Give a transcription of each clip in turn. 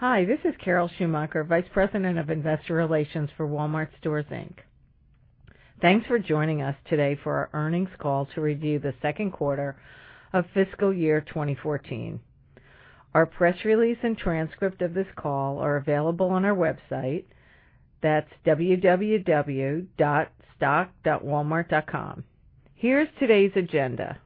Hi, this is Carol Schumacher, Vice President of Investor Relations for Walmart Stores, Inc. Thanks for joining us today for our earnings call to review the second quarter of fiscal year 2014. Our press release and transcript of this call are available on our website. That's www.stock.walmart.com. Here's today's agenda.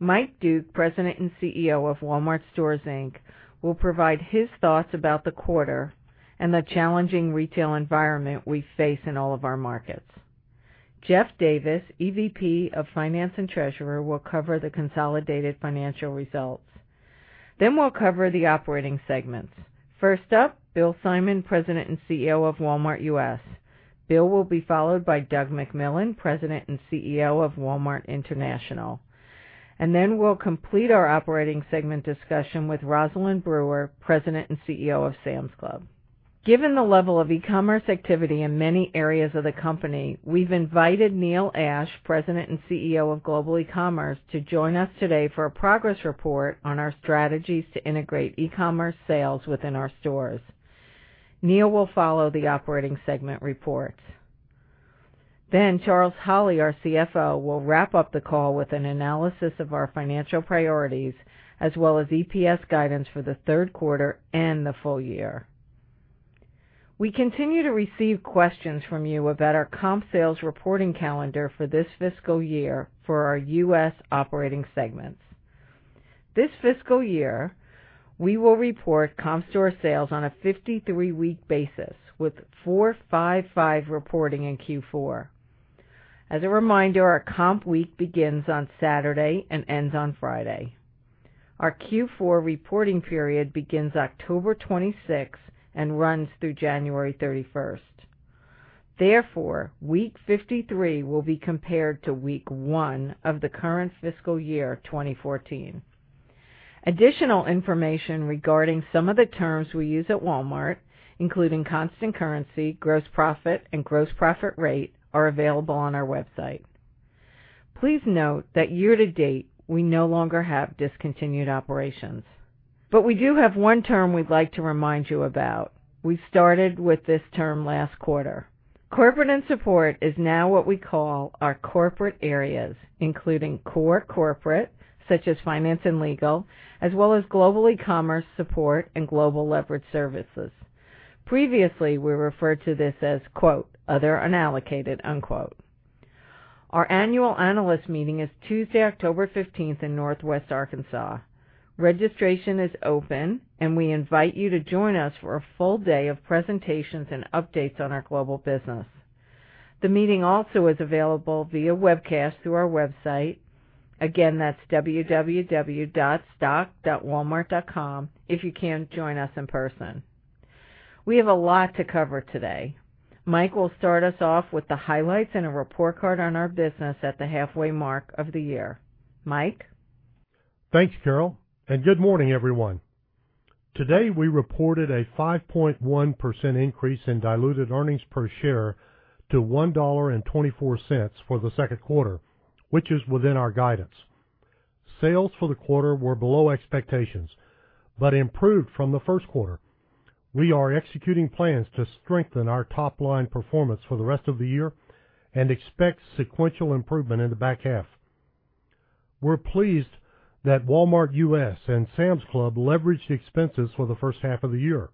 Mike Duke, President and CEO of Walmart Stores, Inc., will provide his thoughts about the quarter and the challenging retail environment we face in all of our markets. Jeff Davis, EVP of Finance and Treasurer, will cover the consolidated financial results. We'll cover the operating segments. First up, Bill Simon, President and CEO of Walmart U.S. Bill will be followed by Doug McMillon, President and CEO of Walmart International. We'll complete our operating segment discussion with Rosalind Brewer, President and CEO of Sam's Club. Given the level of e-commerce activity in many areas of the company, we've invited Neil Ashe, President and CEO of Global eCommerce, to join us today for a progress report on our strategies to integrate e-commerce sales within our stores. Neil will follow the operating segment reports. Charles Holley, our CFO, will wrap up the call with an analysis of our financial priorities, as well as EPS guidance for the third quarter and the full year. We continue to receive questions from you about our comp sales reporting calendar for this fiscal year for our U.S. operating segments. This fiscal year, we will report comp store sales on a 53-week basis with four, five reporting in Q4. As a reminder, our comp week begins on Saturday and ends on Friday. Our Q4 reporting period begins October 26 and runs through January 31st. Week 53 will be compared to week one of the current fiscal year 2014. Additional information regarding some of the terms we use at Walmart, including constant currency, gross profit, and gross profit rate, are available on our website. Please note that year-to-date, we no longer have discontinued operations. We do have one term we'd like to remind you about. We started with this term last quarter. Corporate and support is now what we call our corporate areas, including core corporate, such as finance and legal, as well as Global eCommerce support and global leverage services. Previously, we referred to this as "other unallocated". Our annual analyst meeting is Tuesday, October 15th in Northwest Arkansas. Registration is open, and we invite you to join us for a full day of presentations and updates on our global business. The meeting also is available via webcast through our website. Again, that's www.stock.walmart.com if you can't join us in person. We have a lot to cover today. Mike will start us off with the highlights and a report card on our business at the halfway mark of the year. Mike? Thanks, Carol, and good morning, everyone. Today, we reported a 5.1% increase in diluted earnings per share to $1.24 for the second quarter, which is within our guidance. Sales for the quarter were below expectations, but improved from the first quarter. We are executing plans to strengthen our top-line performance for the rest of the year and expect sequential improvement in the back half. We're pleased that Walmart U.S. and Sam's Club leveraged expenses for the first half of the year.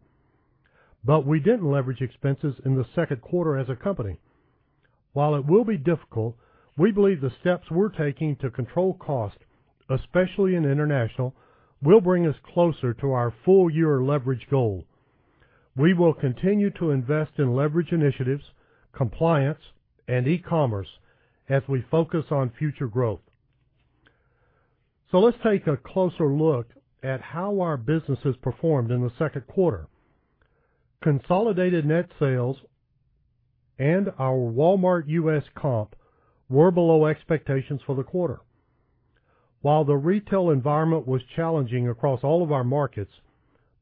We didn't leverage expenses in the second quarter as a company. While it will be difficult, we believe the steps we're taking to control cost, especially in international, will bring us closer to our full-year leverage goal. We will continue to invest in leverage initiatives, compliance, and e-commerce as we focus on future growth. Let's take a closer look at how our businesses performed in the second quarter. Consolidated net sales and our Walmart U.S. comp were below expectations for the quarter. While the retail environment was challenging across all of our markets,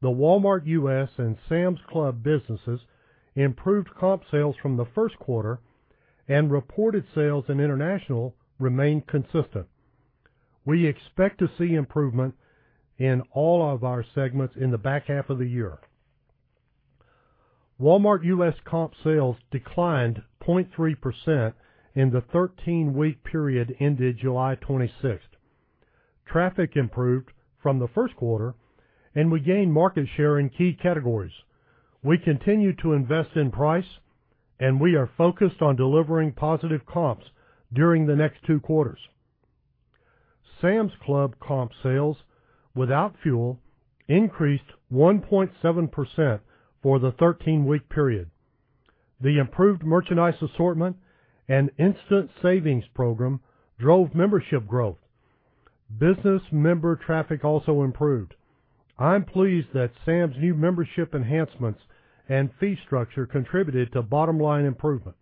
the Walmart U.S. and Sam's Club businesses improved comp sales from the first quarter and reported sales in international remained consistent. We expect to see improvement in all of our segments in the back half of the year. Walmart U.S. comp sales declined 0.3% in the 13-week period ended July 26th. Traffic improved from the first quarter, and we gained market share in key categories. We continue to invest in price, and we are focused on delivering positive comps during the next two quarters. Sam's Club comp sales without fuel increased 1.7% for the 13-week period. The improved merchandise assortment and Instant Savings program drove membership growth. Business member traffic also improved. I'm pleased that Sam's new membership enhancements and fee structure contributed to bottom line improvement.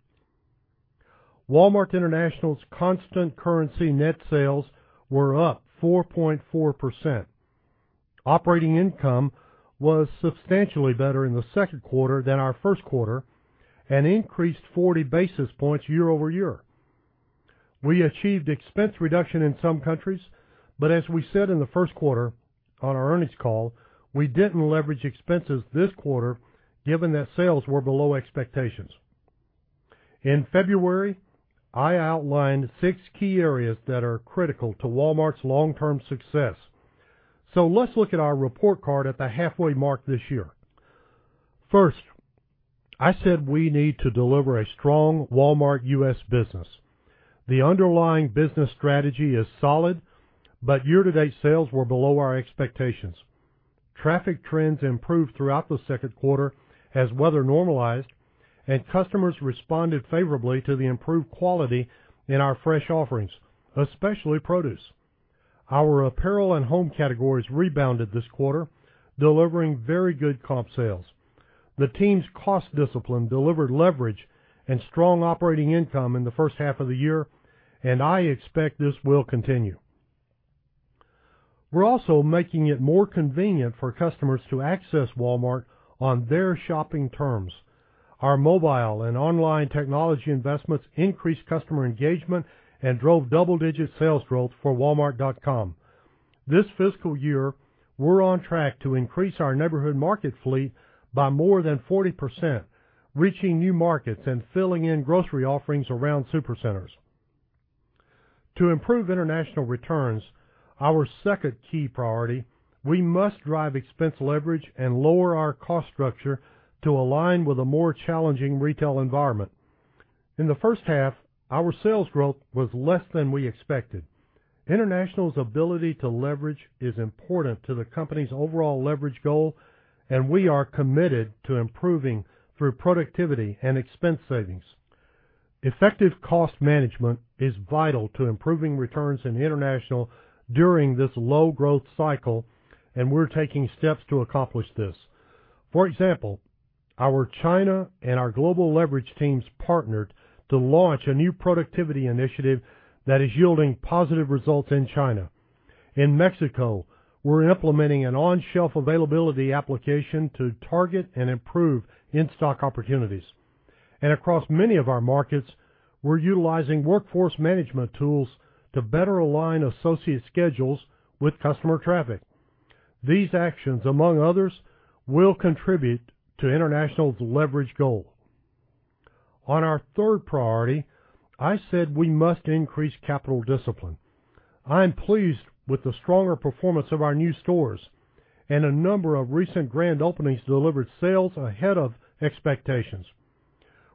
Walmart International's constant currency net sales were up 4.4%. Operating income was substantially better in the second quarter than our first quarter and increased 40 basis points year-over-year. We achieved expense reduction in some countries, as we said in the first quarter on our earnings call, we didn't leverage expenses this quarter given that sales were below expectations. In February, I outlined six key areas that are critical to Walmart's long-term success. Let's look at our report card at the halfway mark this year. First, I said we need to deliver a strong Walmart U.S. business. The underlying business strategy is solid, year-to-date sales were below our expectations. Traffic trends improved throughout the second quarter as weather normalized and customers responded favorably to the improved quality in our fresh offerings, especially produce. Our apparel and home categories rebounded this quarter, delivering very good comp sales. The team's cost discipline delivered leverage and strong operating income in the first half of the year, I expect this will continue. We're also making it more convenient for customers to access Walmart on their shopping terms. Our mobile and online technology investments increased customer engagement and drove double-digit sales growth for walmart.com. This fiscal year, we're on track to increase our neighborhood market fleet by more than 40%, reaching new markets and filling in grocery offerings around Supercenters. To improve international returns, our second key priority, we must drive expense leverage and lower our cost structure to align with a more challenging retail environment. In the first half, our sales growth was less than we expected. International's ability to leverage is important to the company's overall leverage goal, and we are committed to improving through productivity and expense savings. Effective cost management is vital to improving returns in International during this low-growth cycle, and we're taking steps to accomplish this. For example, our China and our global leverage teams partnered to launch a new productivity initiative that is yielding positive results in China. In Mexico, we're implementing an on-shelf availability application to target and improve in-stock opportunities. Across many of our markets, we're utilizing workforce management tools to better align associate schedules with customer traffic. These actions, among others, will contribute to International's leverage goal. On our third priority, I said we must increase capital discipline. I'm pleased with the stronger performance of our new stores and a number of recent grand openings delivered sales ahead of expectations.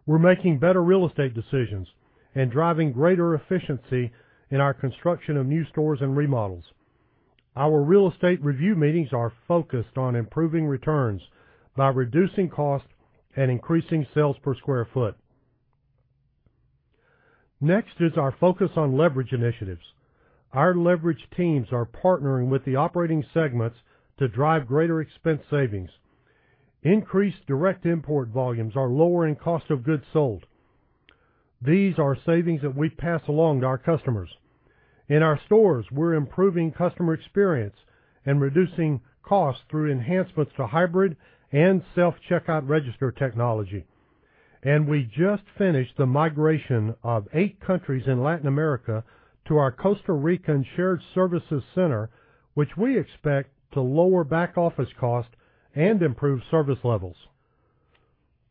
We're making better real estate decisions and driving greater efficiency in our construction of new stores and remodels. Our real estate review meetings are focused on improving returns by reducing cost and increasing sales per square foot. Next is our focus on leverage initiatives. Our leverage teams are partnering with the operating segments to drive greater expense savings. Increased direct import volumes are lowering cost of goods sold. These are savings that we pass along to our customers. In our stores, we're improving customer experience and reducing costs through enhancements to hybrid and self-checkout register technology. We just finished the migration of eight countries in Latin America to our Costa Rican shared services center, which we expect to lower back-office costs and improve service levels.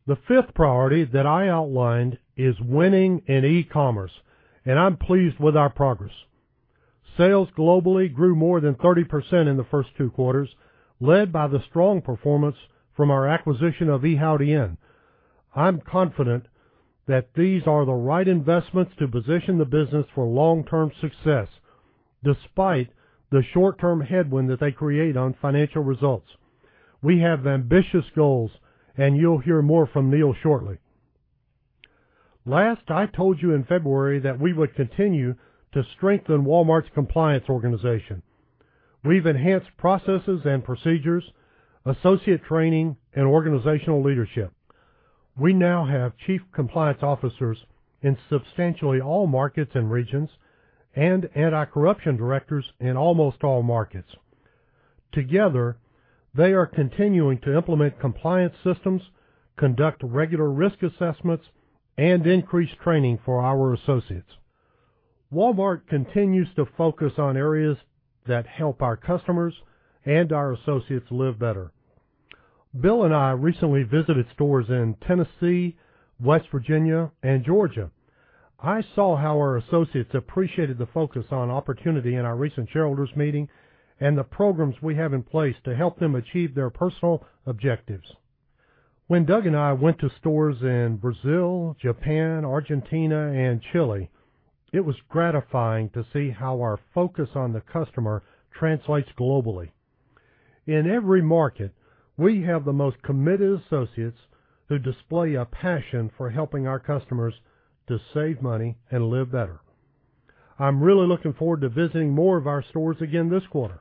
The fifth priority that I outlined is winning in e-commerce, and I'm pleased with our progress. Sales globally grew more than 30% in the first two quarters, led by the strong performance from our acquisition of Yihaodian. I'm confident that these are the right investments to position the business for long-term success, despite the short-term headwind that they create on financial results. We have ambitious goals, and you'll hear more from Neil shortly. Last, I told you in February that we would continue to strengthen Walmart's compliance organization. We've enhanced processes and procedures, associate training, and organizational leadership. We now have chief compliance officers in substantially all markets and regions, and anti-corruption directors in almost all markets. Together, they are continuing to implement compliance systems, conduct regular risk assessments, and increase training for our associates. Walmart continues to focus on areas that help our customers and our associates live better. Bill and I recently visited stores in Tennessee, West Virginia, and Georgia. I saw how our associates appreciated the focus on opportunity in our recent shareholders meeting and the programs we have in place to help them achieve their personal objectives. When Doug and I went to stores in Brazil, Japan, Argentina, and Chile, it was gratifying to see how our focus on the customer translates globally. In every market, we have the most committed associates who display a passion for helping our customers to save money and live better. I'm really looking forward to visiting more of our stores again this quarter.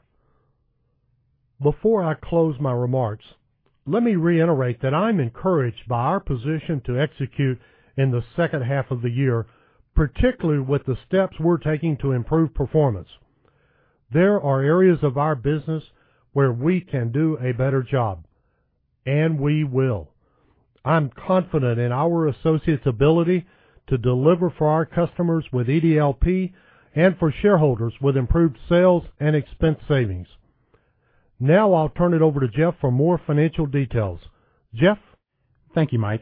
Before I close my remarks, let me reiterate that I'm encouraged by our position to execute in the second half of the year, particularly with the steps we're taking to improve performance. There are areas of our business where we can do a better job, and we will. I'm confident in our associates' ability to deliver for our customers with EDLP and for shareholders with improved sales and expense savings. I'll turn it over to Jeff for more financial details. Jeff? Thank you, Mike.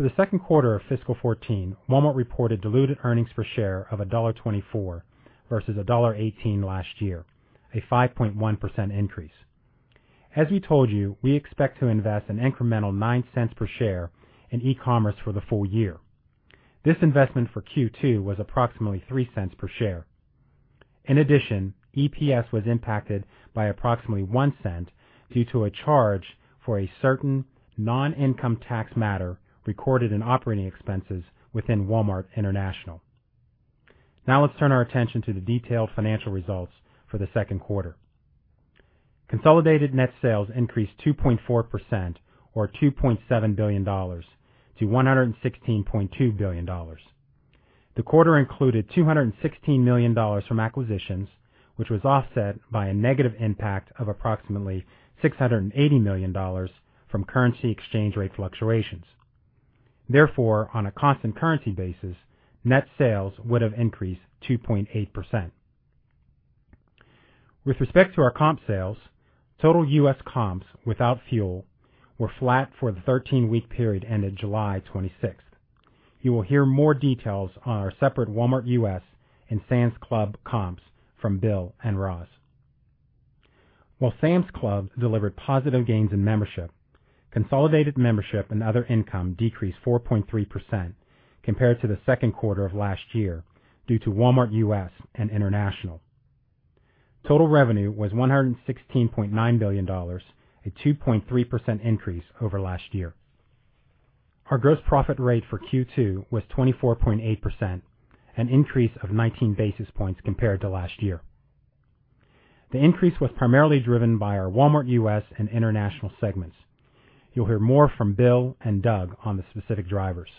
For the second quarter of fiscal 2014, Walmart reported diluted earnings per share of $1.24 versus $1.18 last year, a 5.1% increase. As we told you, we expect to invest an incremental $0.09 per share in e-commerce for the full year. This investment for Q2 was approximately $0.03 per share. In addition, EPS was impacted by approximately $0.01 due to a charge for a certain non-income tax matter recorded in operating expenses within Walmart International. Let's turn our attention to the detailed financial results for the second quarter. Consolidated net sales increased 2.4%, or $2.7 billion, to $116.2 billion. The quarter included $216 million from acquisitions, which was offset by a negative impact of approximately $680 million from currency exchange rate fluctuations. Therefore, on a constant currency basis, net sales would have increased 2.8%. With respect to our comp sales, total U.S. comps without fuel were flat for the 13-week period ended July 26th. You will hear more details on our separate Walmart U.S. and Sam's Club comps from Bill and Roz. While Sam's Club delivered positive gains in membership, consolidated membership and other income decreased 4.3% compared to the second quarter of last year due to Walmart U.S. and International. Total revenue was $116.9 billion, a 2.3% increase over last year. Our gross profit rate for Q2 was 24.8%, an increase of 19 basis points compared to last year. The increase was primarily driven by our Walmart U.S. and International segments. You'll hear more from Bill and Doug on the specific drivers.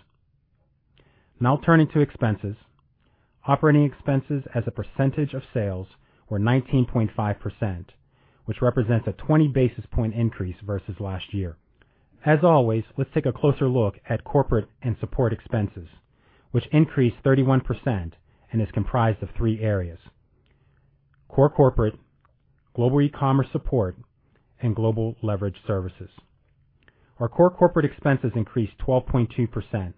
Turning to expenses. Operating expenses as a percentage of sales were 19.5%, which represents a 20 basis point increase versus last year. As always, let's take a closer look at corporate and support expenses, which increased 31% and is comprised of three areas: core corporate, Global eCommerce support, and global leverage services. Our core corporate expenses increased 12.2%.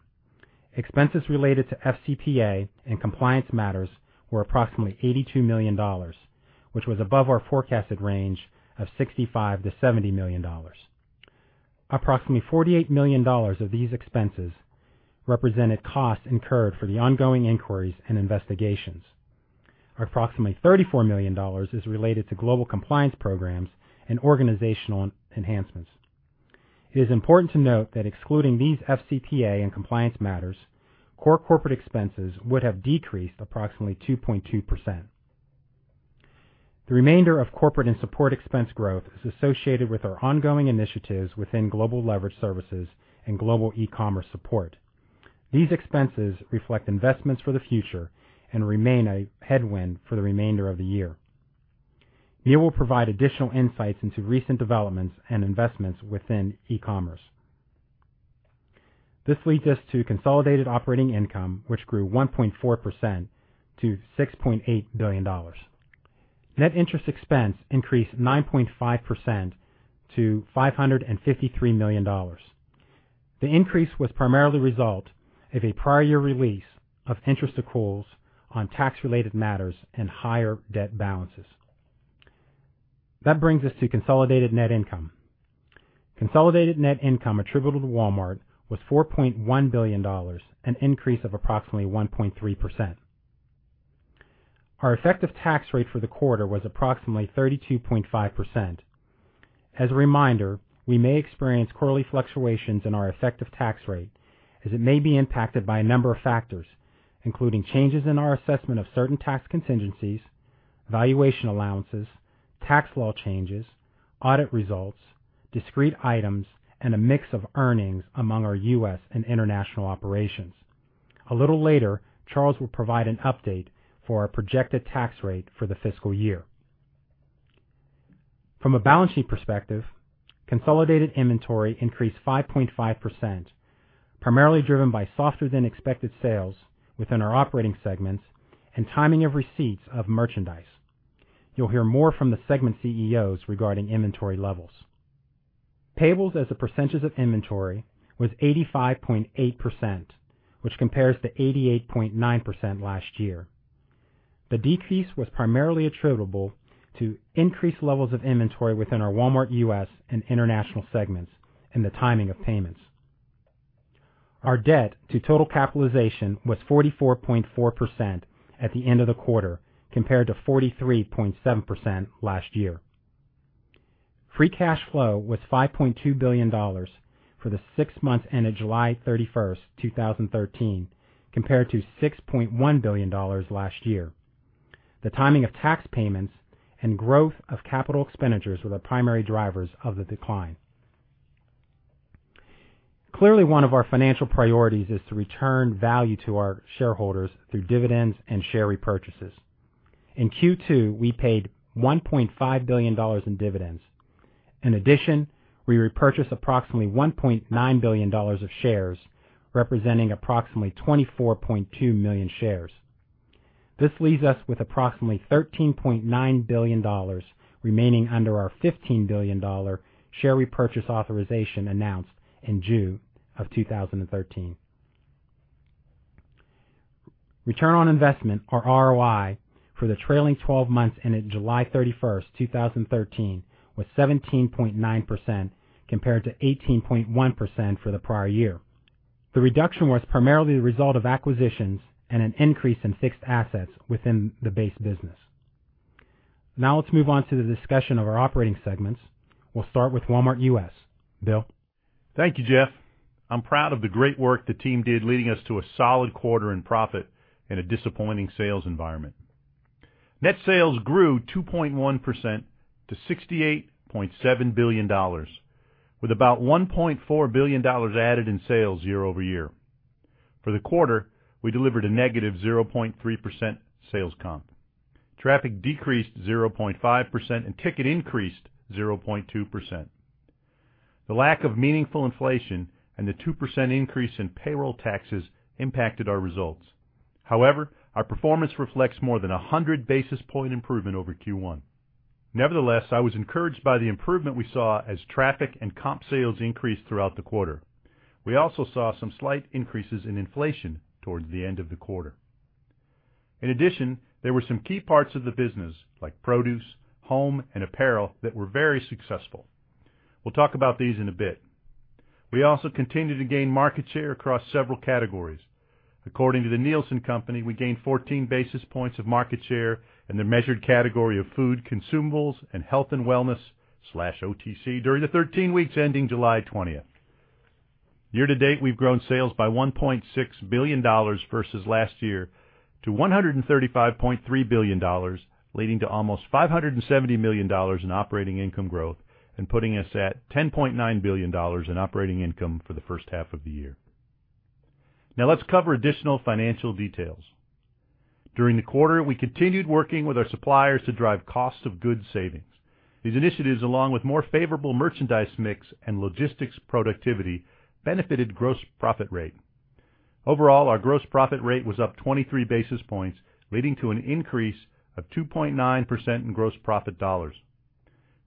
Expenses related to FCPA and compliance matters were approximately $82 million, which was above our forecasted range of $65 million-$70 million. Approximately $48 million of these expenses represented costs incurred for the ongoing inquiries and investigations. Approximately $34 million is related to global compliance programs and organizational enhancements. It is important to note that excluding these FCPA and compliance matters, core corporate expenses would have decreased approximately 2.2%. The remainder of corporate and support expense growth is associated with our ongoing initiatives within global leverage services and Global eCommerce support. These expenses reflect investments for the future and remain a headwind for the remainder of the year. Neil will provide additional insights into recent developments and investments within e-commerce. This leads us to consolidated operating income, which grew 1.4% to $6.8 billion. Net interest expense increased 9.5% to $553 million. The increase was primarily the result of a prior year release of interest accruals on tax-related matters and higher debt balances. That brings us to consolidated net income. Consolidated net income attributable to Walmart was $4.1 billion, an increase of approximately 1.3%. Our effective tax rate for the quarter was approximately 32.5%. As a reminder, we may experience quarterly fluctuations in our effective tax rate, as it may be impacted by a number of factors, including changes in our assessment of certain tax contingencies, valuation allowances, tax law changes, audit results, discrete items, and a mix of earnings among our U.S. and international operations. A little later, Charles will provide an update for our projected tax rate for the fiscal year. From a balance sheet perspective, consolidated inventory increased 5.5%, primarily driven by softer-than-expected sales within our operating segments and timing of receipts of merchandise. You'll hear more from the segment CEOs regarding inventory levels. Payables as a percentage of inventory was 85.8%, which compares to 88.9% last year. The decrease was primarily attributable to increased levels of inventory within our Walmart U.S. and international segments and the timing of payments. Our debt to total capitalization was 44.4% at the end of the quarter, compared to 43.7% last year. Free cash flow was $5.2 billion for the 6 months ended July 31st, 2013, compared to $6.1 billion last year. The timing of tax payments and growth of capital expenditures were the primary drivers of the decline. Clearly, one of our financial priorities is to return value to our shareholders through dividends and share repurchases. In Q2, we paid $1.5 billion in dividends. In addition, we repurchased approximately $1.9 billion of shares, representing approximately 24.2 million shares. This leaves us with approximately $13.9 billion remaining under our $15 billion share repurchase authorization announced in June 2013. Return on investment, or ROI, for the trailing 12 months ended July 31st, 2013, was 17.9%, compared to 18.1% for the prior year. The reduction was primarily the result of acquisitions and an increase in fixed assets within the base business. Now let's move on to the discussion of our operating segments. We'll start with Walmart U.S. Bill? Thank you, Jeff. I'm proud of the great work the team did leading us to a solid quarter in profit in a disappointing sales environment. Net sales grew 2.1% to $68.7 billion, with about $1.4 billion added in sales year-over-year. For the quarter, we delivered a negative 0.3% sales comp. Traffic decreased 0.5% and ticket increased 0.2%. The lack of meaningful inflation and the 2% increase in payroll taxes impacted our results. However, our performance reflects more than 100-basis-point improvement over Q1. Nevertheless, I was encouraged by the improvement we saw as traffic and comp sales increased throughout the quarter. We also saw some slight increases in inflation towards the end of the quarter. In addition, there were some key parts of the business, like produce, home, and apparel, that were very successful. We'll talk about these in a bit. We also continue to gain market share across several categories. According to The Nielsen Company, we gained 14 basis points of market share in the measured category of food, consumables, and health and wellness/OTC during the 13 weeks ending July 20th. Year-to-date, we've grown sales by $1.6 billion versus last year to $135.3 billion, leading to almost $570 million in operating income growth and putting us at $10.9 billion in operating income for the first half of the year. Let's cover additional financial details. During the quarter, we continued working with our suppliers to drive cost of goods savings. These initiatives, along with more favorable merchandise mix and logistics productivity, benefited gross profit rate. Overall, our gross profit rate was up 23 basis points, leading to an increase of 2.9% in gross profit dollars.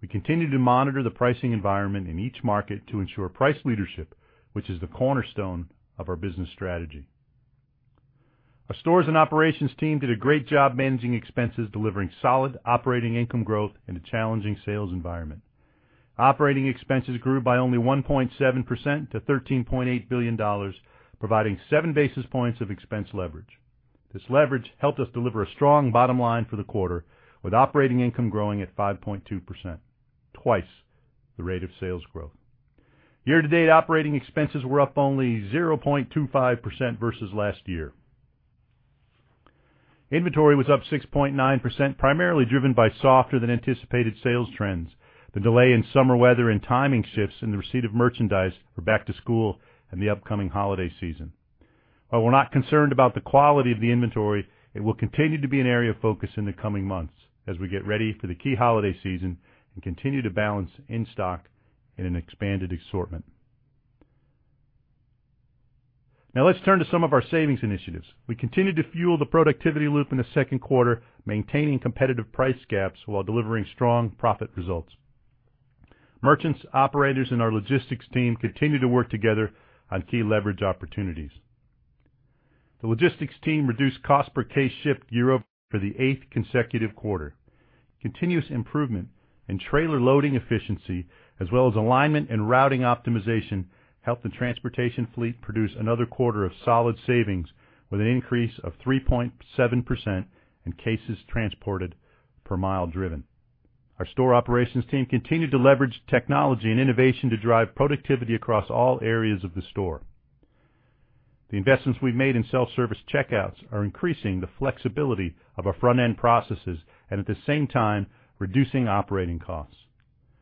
We continue to monitor the pricing environment in each market to ensure price leadership, which is the cornerstone of our business strategy. Our stores and operations team did a great job managing expenses, delivering solid operating income growth in a challenging sales environment. Operating expenses grew by only 1.7% to $13.8 billion, providing seven basis points of expense leverage. This leverage helped us deliver a strong bottom line for the quarter, with operating income growing at 5.2%, twice the rate of sales growth. Year-to-date operating expenses were up only 0.25% versus last year. Inventory was up 6.9%, primarily driven by softer-than-anticipated sales trends, the delay in summer weather, and timing shifts in the receipt of merchandise for back to school and the upcoming holiday season. While we're not concerned about the quality of the inventory, it will continue to be an area of focus in the coming months as we get ready for the key holiday season and continue to balance in-stock in an expanded assortment. Let's turn to some of our savings initiatives. We continued to fuel the productivity loop in the second quarter, maintaining competitive price gaps while delivering strong profit results. Merchants, operators, and our logistics team continue to work together on key leverage opportunities. The logistics team reduced cost per case shipped year-over-year for the eighth consecutive quarter. Continuous improvement and trailer loading efficiency, as well as alignment and routing optimization, helped the transportation fleet produce another quarter of solid savings with an increase of 3.7% in cases transported per mile driven. Our store operations team continued to leverage technology and innovation to drive productivity across all areas of the store. The investments we've made in self-service checkouts are increasing the flexibility of our front-end processes and at the same time reducing operating costs.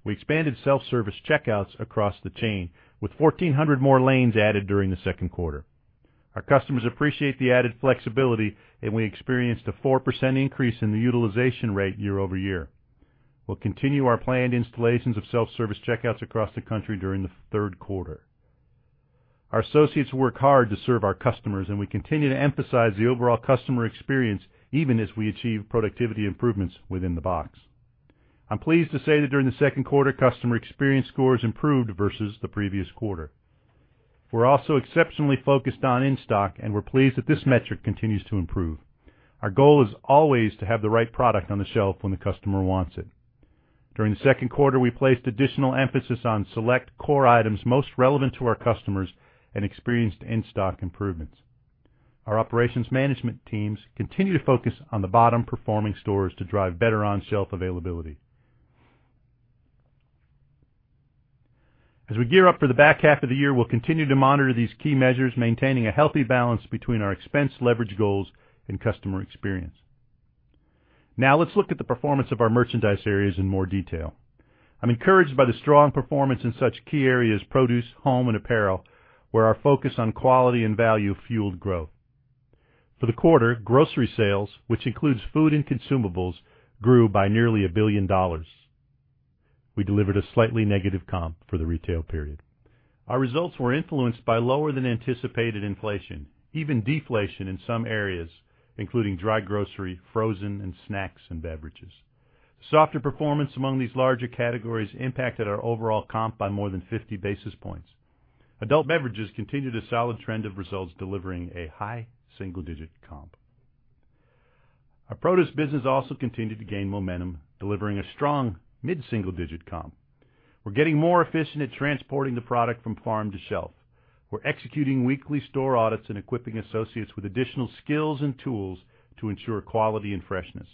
We expanded self-service checkouts across the chain, with 1,400 more lanes added during the second quarter. Our customers appreciate the added flexibility. We experienced a 4% increase in the utilization rate year-over-year. We'll continue our planned installations of self-service checkouts across the country during the third quarter. Our associates work hard to serve our customers. We continue to emphasize the overall customer experience even as we achieve productivity improvements within the box. I'm pleased to say that during the second quarter, customer experience scores improved versus the previous quarter. We're also exceptionally focused on in-stock. We're pleased that this metric continues to improve. Our goal is always to have the right product on the shelf when the customer wants it. During the second quarter, we placed additional emphasis on select core items most relevant to our customers and experienced in-stock improvements. Our operations management teams continue to focus on the bottom-performing stores to drive better on-shelf availability. As we gear up for the back half of the year, we'll continue to monitor these key measures, maintaining a healthy balance between our expense leverage goals and customer experience. Now let's look at the performance of our merchandise areas in more detail. I'm encouraged by the strong performance in such key areas, produce, home, and apparel, where our focus on quality and value fueled growth. For the quarter, grocery sales, which includes food and consumables, grew by nearly $1 billion. We delivered a slightly negative comp for the retail period. Our results were influenced by lower than anticipated inflation, even deflation in some areas, including dry grocery, frozen, and snacks and beverages. Softer performance among these larger categories impacted our overall comp by more than 50 basis points. Adult beverages continued a solid trend of results, delivering a high single-digit comp. Our produce business also continued to gain momentum, delivering a strong mid-single-digit comp. We're getting more efficient at transporting the product from farm to shelf. We're executing weekly store audits and equipping associates with additional skills and tools to ensure quality and freshness.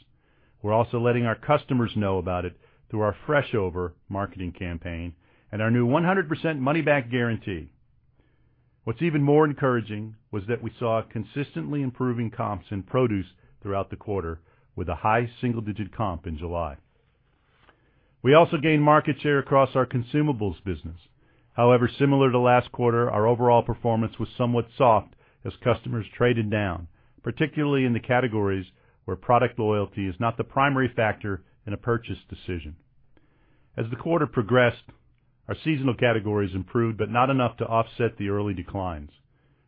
We're also letting our customers know about it through our Fresh Over marketing campaign and our new 100% money-back guarantee. What's even more encouraging was that we saw consistently improving comps in produce throughout the quarter with a high single-digit comp in July. We also gained market share across our consumables business. However, similar to last quarter, our overall performance was somewhat soft as customers traded down, particularly in the categories where product loyalty is not the primary factor in a purchase decision. As the quarter progressed, our seasonal categories improved, but not enough to offset the early declines.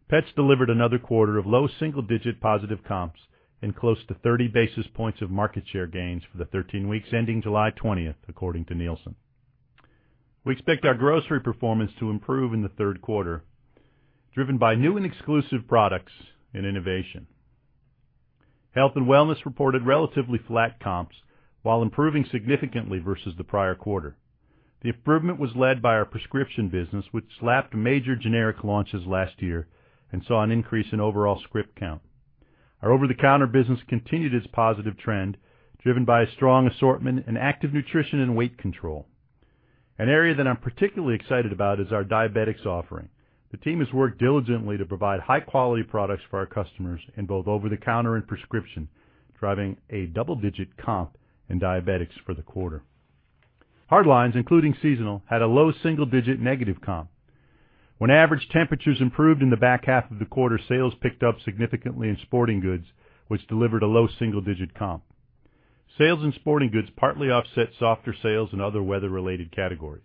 Pets delivered another quarter of low double-digit positive comps and close to 30 basis points of market share gains for the 13 weeks ending July 20th, according to Nielsen. We expect our grocery performance to improve in the third quarter, driven by new and exclusive products and innovation. Health and wellness reported relatively flat comps while improving significantly versus the prior quarter. The improvement was led by our prescription business, which lapped major generic launches last year and saw an increase in overall script count. Our over-the-counter business continued its positive trend, driven by a strong assortment and active nutrition and weight control. An area that I'm particularly excited about is our diabetics offering. The team has worked diligently to provide high-quality products for our customers in both over-the-counter and prescription, driving a double-digit comp in diabetics for the quarter. Hard lines, including seasonal, had a low single-digit negative comp. When average temperatures improved in the back half of the quarter, sales picked up significantly in sporting goods, which delivered a low single-digit comp. Sales in sporting goods partly offset softer sales in other weather-related categories.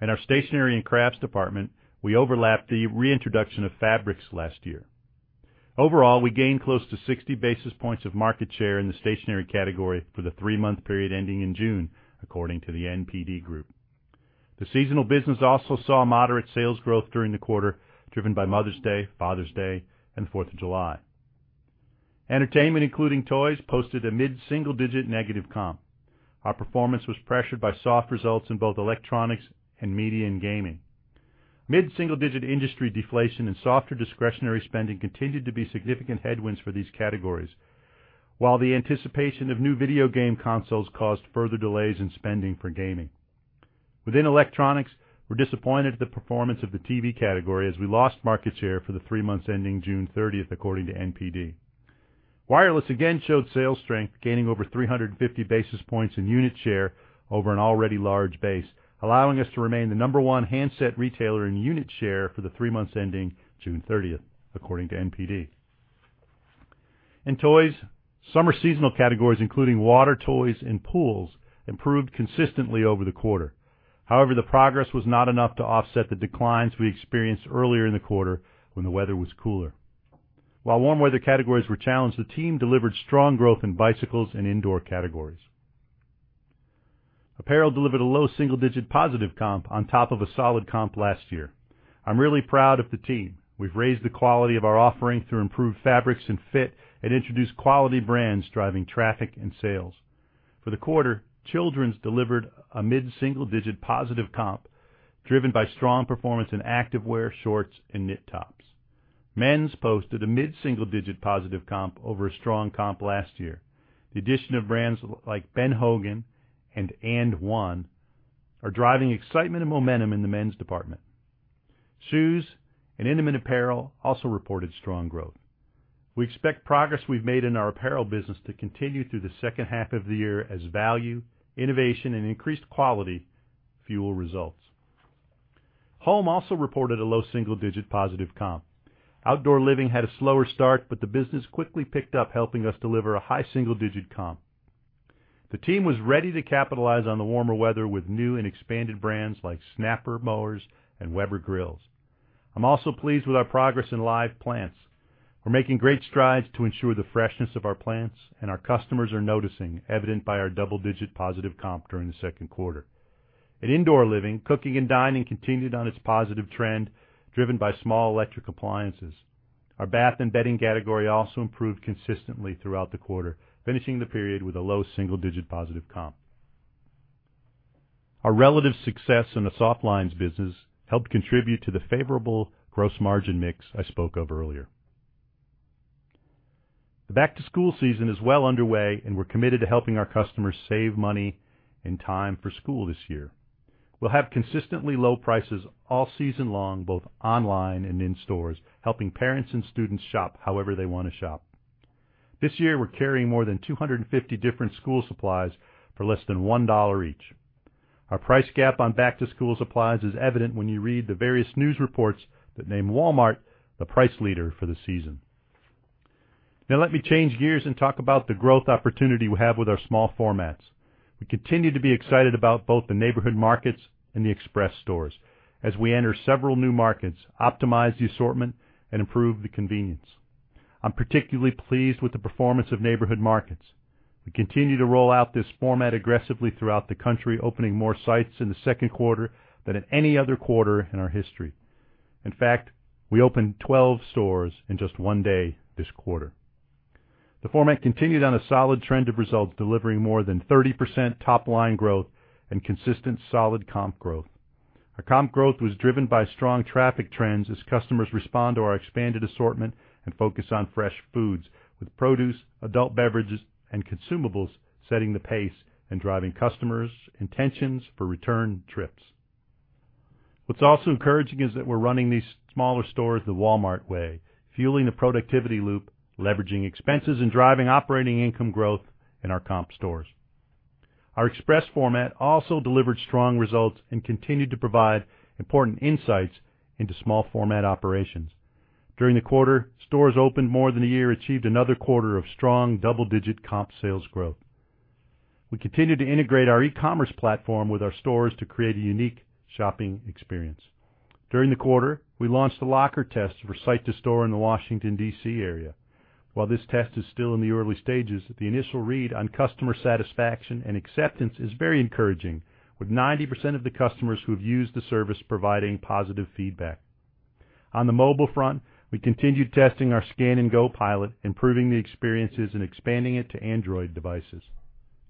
In our stationary and crafts department, we overlapped the reintroduction of fabrics last year. Overall, we gained close to 60 basis points of market share in the stationary category for the three-month period ending in June, according to The NPD Group. The seasonal business also saw moderate sales growth during the quarter, driven by Mother's Day, Father's Day, and Fourth of July. Entertainment, including toys, posted a mid-single-digit negative comp. Our performance was pressured by soft results in both electronics and media and gaming. Mid-single-digit industry deflation and softer discretionary spending continued to be significant headwinds for these categories. The anticipation of new video game consoles caused further delays in spending for gaming. Within electronics, we're disappointed at the performance of the TV category as we lost market share for the three months ending June 30th, according to NPD. Wireless again showed sales strength, gaining over 350 basis points in unit share over an already large base, allowing us to remain the number one handset retailer in unit share for the three months ending June 30th, according to NPD. In toys, summer seasonal categories, including water toys and pools, improved consistently over the quarter. The progress was not enough to offset the declines we experienced earlier in the quarter when the weather was cooler. Warm weather categories were challenged, the team delivered strong growth in bicycles and indoor categories. Apparel delivered a low single-digit positive comp on top of a solid comp last year. I'm really proud of the team. We've raised the quality of our offering through improved fabrics and fit and introduced quality brands driving traffic and sales. For the quarter, children's delivered a mid-single-digit positive comp driven by strong performance in active wear, shorts, and knit tops. Men's posted a mid-single-digit positive comp over a strong comp last year. The addition of brands like Ben Hogan and AND1 are driving excitement and momentum in the men's department. Shoes and intimate apparel also reported strong growth. We expect progress we've made in our apparel business to continue through the second half of the year as value, innovation, and increased quality fuel results. Home also reported a low single-digit positive comp. Outdoor living had a slower start, the business quickly picked up, helping us deliver a high single-digit comp. The team was ready to capitalize on the warmer weather with new and expanded brands like Snapper Mowers and Weber Grills. I'm also pleased with our progress in live plants. We're making great strides to ensure the freshness of our plants, our customers are noticing, evident by our double-digit positive comp during the second quarter. In indoor living, cooking and dining continued on its positive trend, driven by small electric appliances. Our bath and bedding category also improved consistently throughout the quarter, finishing the period with a low single-digit positive comp. Our relative success in the soft lines business helped contribute to the favorable gross margin mix I spoke of earlier. The back-to-school season is well underway, we're committed to helping our customers save money and time for school this year. We'll have consistently low prices all season long, both online and in stores, helping parents and students shop however they want to shop. This year, we're carrying more than 250 different school supplies for less than $1 each. Our price gap on back-to-school supplies is evident when you read the various news reports that name Walmart the price leader for the season. Let me change gears and talk about the growth opportunity we have with our small formats. We continue to be excited about both the neighborhood markets and the express stores as we enter several new markets, optimize the assortment, and improve the convenience. I'm particularly pleased with the performance of Neighborhood Markets. We continue to roll out this format aggressively throughout the country, opening more sites in the second quarter than in any other quarter in our history. In fact, we opened 12 stores in just one day this quarter. The format continued on a solid trend of results, delivering more than 30% top-line growth and consistent solid comp growth. Our comp growth was driven by strong traffic trends as customers respond to our expanded assortment and focus on fresh foods, with produce, adult beverages, and consumables setting the pace and driving customers' intentions for return trips. What's also encouraging is that we're running these smaller stores the Walmart way, fueling the productivity loop, leveraging expenses, and driving operating income growth in our comp stores. Our Express format also delivered strong results and continued to provide important insights into small format operations. During the quarter, stores opened more than a year achieved another quarter of strong double-digit comp sales growth. We continued to integrate our e-commerce platform with our stores to create a unique shopping experience. During the quarter, we launched the locker test for site-to-store in the Washington, D.C., area. While this test is still in the early stages, the initial read on customer satisfaction and acceptance is very encouraging, with 90% of the customers who have used the service providing positive feedback. On the mobile front, we continued testing our Scan & Go pilot, improving the experiences, and expanding it to Android devices.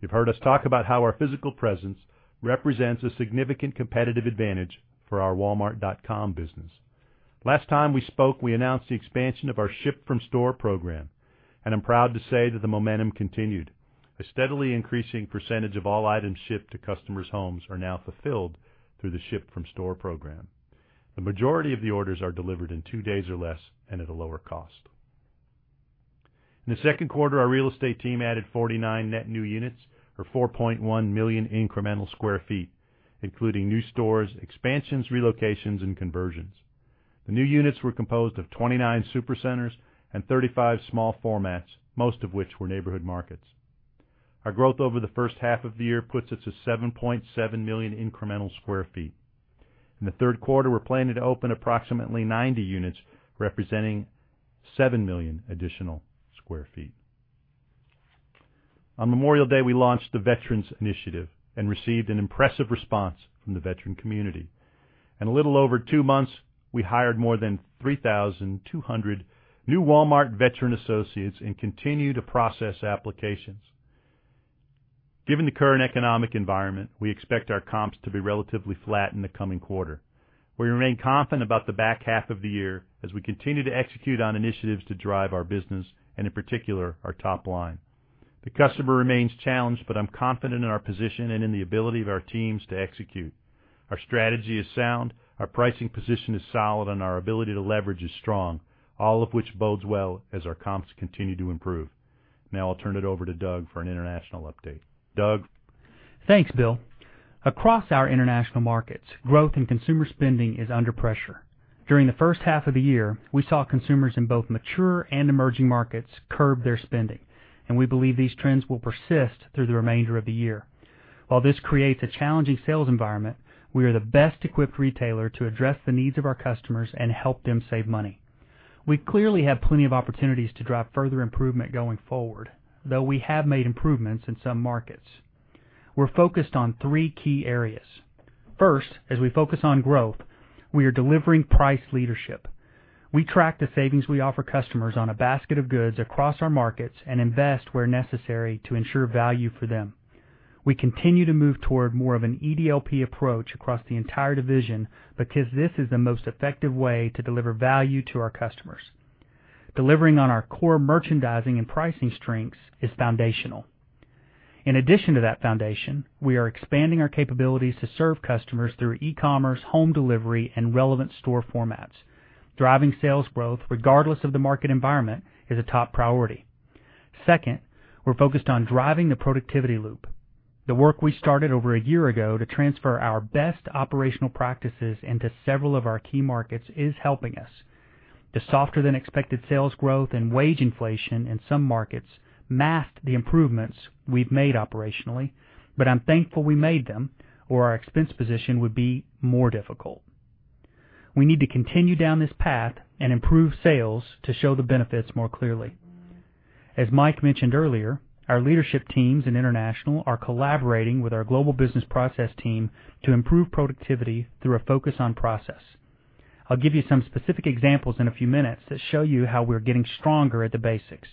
You've heard us talk about how our physical presence represents a significant competitive advantage for our walmart.com business. Last time we spoke, we announced the expansion of our ship-from-store program, and I'm proud to say that the momentum continued. A steadily increasing percentage of all items shipped to customers' homes are now fulfilled through the ship-from-store program. The majority of the orders are delivered in two days or less and at a lower cost. In the second quarter, our real estate team added 49 net new units or 4.1 million incremental square feet, including new stores, expansions, relocations, and conversions. The new units were composed of 29 Supercenters and 35 small formats, most of which were Neighborhood Markets. Our growth over the first half of the year puts us to 7.7 million incremental square feet. In the third quarter, we're planning to open approximately 90 units, representing 7 million additional square feet. On Memorial Day, we launched the Veterans Initiative and received an impressive response from the veteran community. In a little over two months, we hired more than 3,200 new Walmart veteran associates and continue to process applications. Given the current economic environment, we expect our comps to be relatively flat in the coming quarter. We remain confident about the back half of the year as we continue to execute on initiatives to drive our business and, in particular, our top line. The customer remains challenged, but I'm confident in our position and in the ability of our teams to execute. Our strategy is sound, our pricing position is solid, and our ability to leverage is strong, all of which bodes well as our comps continue to improve. Now I'll turn it over to Doug for an international update. Doug? Thanks, Bill. Across our international markets, growth in consumer spending is under pressure. During the first half of the year, we saw consumers in both mature and emerging markets curb their spending, and we believe these trends will persist through the remainder of the year. While this creates a challenging sales environment, we are the best-equipped retailer to address the needs of our customers and help them save money. We clearly have plenty of opportunities to drive further improvement going forward, though we have made improvements in some markets. We're focused on three key areas. First, as we focus on growth, we are delivering price leadership. We track the savings we offer customers on a basket of goods across our markets and invest where necessary to ensure value for them. We continue to move toward more of an EDLP approach across the entire division because this is the most effective way to deliver value to our customers. Delivering on our core merchandising and pricing strengths is foundational. In addition to that foundation, we are expanding our capabilities to serve customers through e-commerce, home delivery, and relevant store formats. Driving sales growth regardless of the market environment is a top priority. Second, we're focused on driving the productivity loop. The work we started over a year ago to transfer our best operational practices into several of our key markets is helping us. The softer-than-expected sales growth and wage inflation in some markets masked the improvements we've made operationally, but I'm thankful we made them, or our expense position would be more difficult. We need to continue down this path and improve sales to show the benefits more clearly. As Mike mentioned earlier, our leadership teams in international are collaborating with our global business process team to improve productivity through a focus on process. I'll give you some specific examples in a few minutes that show you how we're getting stronger at the basics.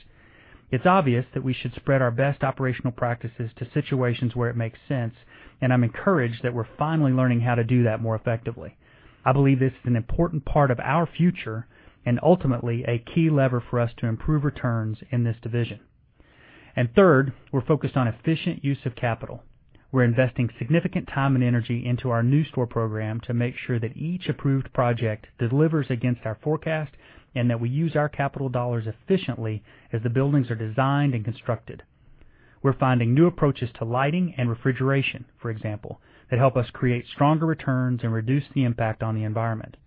It's obvious that we should spread our best operational practices to situations where it makes sense, and I'm encouraged that we're finally learning how to do that more effectively. I believe this is an important part of our future and ultimately a key lever for us to improve returns in this division. Third, we're focused on efficient use of capital. We're investing significant time and energy into our new store program to make sure that each approved project delivers against our forecast and that we use our capital dollars efficiently as the buildings are designed and constructed. We're finding new approaches to lighting and refrigeration, for example, that help us create stronger returns and reduce the impact on the environment.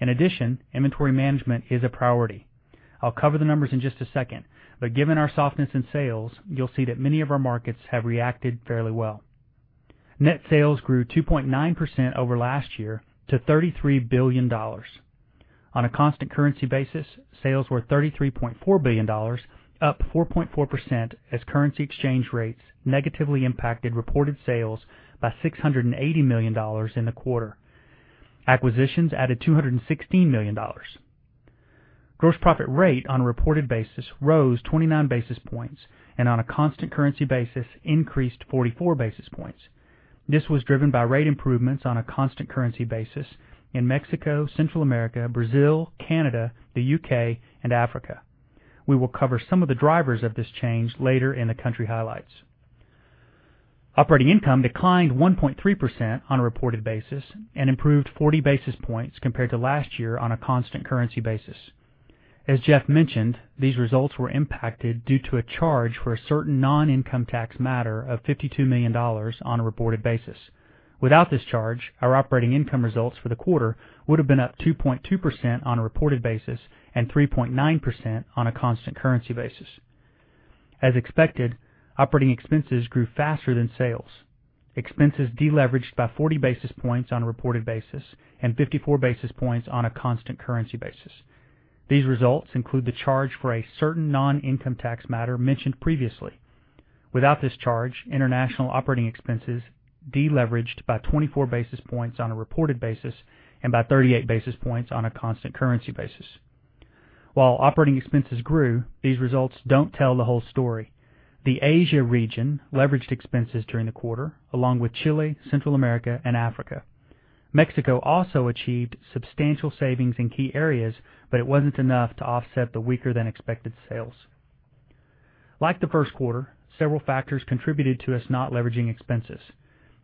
In addition, inventory management is a priority. I'll cover the numbers in just a second, but given our softness in sales, you'll see that many of our markets have reacted fairly well. Net sales grew 2.9% over last year to $33 billion. On a constant currency basis, sales were $33.4 billion, up 4.4% as currency exchange rates negatively impacted reported sales by $680 million in the quarter. Acquisitions added $216 million. Gross profit rate on a reported basis rose 29 basis points, and on a constant currency basis increased 44 basis points. This was driven by rate improvements on a constant currency basis in Mexico, Central America, Brazil, Canada, the U.K., and Africa. We will cover some of the drivers of this change later in the country highlights. Operating income declined 1.3% on a reported basis and improved 40 basis points compared to last year on a constant currency basis. As Jeff mentioned, these results were impacted due to a charge for a certain non-income tax matter of $52 million on a reported basis. Without this charge, our operating income results for the quarter would have been up 2.2% on a reported basis and 3.9% on a constant currency basis. As expected, operating expenses grew faster than sales. Expenses deleveraged by 40 basis points on a reported basis and 54 basis points on a constant currency basis. These results include the charge for a certain non-income tax matter mentioned previously. Without this charge, international operating expenses deleveraged by 24 basis points on a reported basis and by 38 basis points on a constant currency basis. While operating expenses grew, these results don't tell the whole story. The Asia region leveraged expenses during the quarter, along with Chile, Central America, and Africa. Mexico also achieved substantial savings in key areas, but it wasn't enough to offset the weaker-than-expected sales. Like the first quarter, several factors contributed to us not leveraging expenses: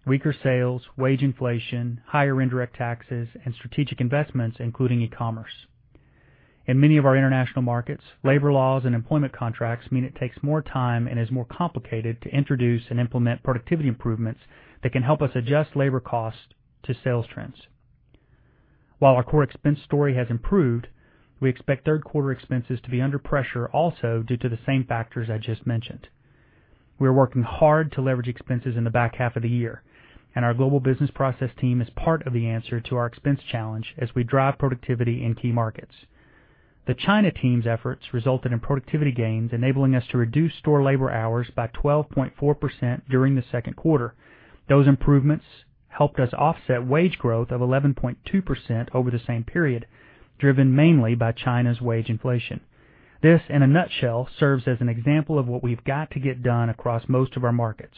weaker sales, wage inflation, higher indirect taxes, and strategic investments, including e-commerce. In many of our international markets, labor laws and employment contracts mean it takes more time and is more complicated to introduce and implement productivity improvements that can help us adjust labor cost to sales trends. While our core expense story has improved, we expect third-quarter expenses to be under pressure also due to the same factors I just mentioned. We are working hard to leverage expenses in the back half of the year, and our global business process team is part of the answer to our expense challenge as we drive productivity in key markets. The China team's efforts resulted in productivity gains enabling us to reduce store labor hours by 12.4% during the second quarter. Those improvements helped us offset wage growth of 11.2% over the same period, driven mainly by China's wage inflation. This, in a nutshell, serves as an example of what we've got to get done across most of our markets.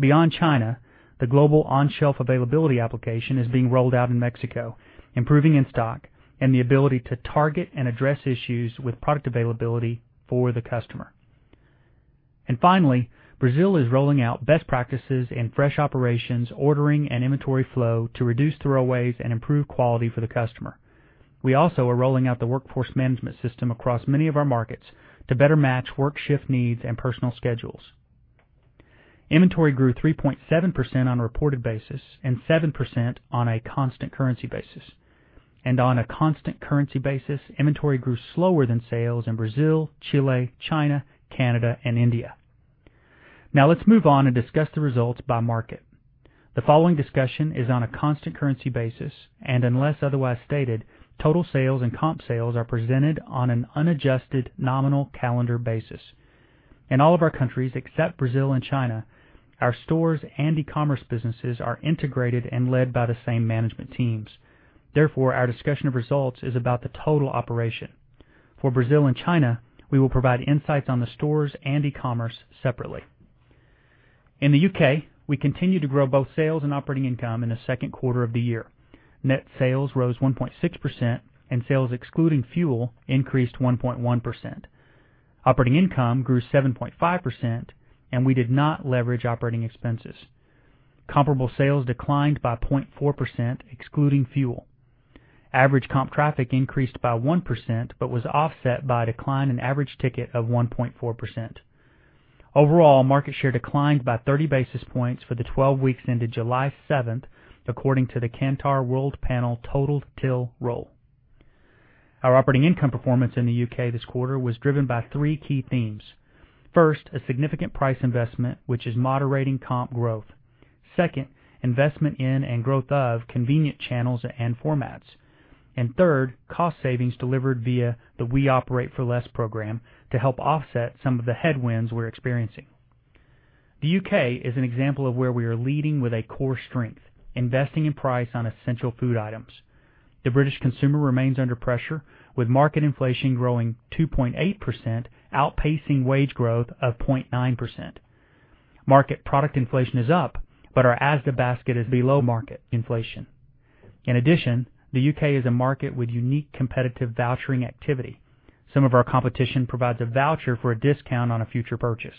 Beyond China, the global on-shelf availability application is being rolled out in Mexico, improving in-stock and the ability to target and address issues with product availability for the customer. Finally, Brazil is rolling out best practices in fresh operations, ordering, and inventory flow to reduce throwaways and improve quality for the customer. We also are rolling out the workforce management system across many of our markets to better match work shift needs and personal schedules. Inventory grew 3.7% on a reported basis and 7% on a constant currency basis. On a constant currency basis, inventory grew slower than sales in Brazil, Chile, China, Canada, and India. Now let's move on and discuss the results by market. The following discussion is on a constant currency basis, and unless otherwise stated, total sales and comp sales are presented on an unadjusted nominal calendar basis. In all of our countries except Brazil and China, our stores and e-commerce businesses are integrated and led by the same management teams. Therefore, our discussion of results is about the total operation. For Brazil and China, we will provide insights on the stores and e-commerce separately. In the U.K., we continued to grow both sales and operating income in the second quarter of the year. Net sales rose 1.6%, and sales excluding fuel increased 1.1%. Operating income grew 7.5%, and we did not leverage operating expenses. Comparable sales declined by 0.4%, excluding fuel. Average comp traffic increased by 1% but was offset by a decline in average ticket of 1.4%. Overall, market share declined by 30 basis points for the 12 weeks ended July 7th, according to the Kantar Worldpanel Total Till Roll. Our operating income performance in the U.K. this quarter was driven by three key themes. First, a significant price investment, which is moderating comp growth. Second, investment in and growth of convenient channels and formats. Third, cost savings delivered via the We Operate For Less program to help offset some of the headwinds we're experiencing. The U.K. is an example of where we are leading with a core strength, investing in price on essential food items. The British consumer remains under pressure, with market inflation growing 2.8%, outpacing wage growth of 0.9%. Market product inflation is up, but our Asda basket is below market inflation. In addition, the U.K. is a market with unique competitive vouchering activity. Some of our competition provides a voucher for a discount on a future purchase.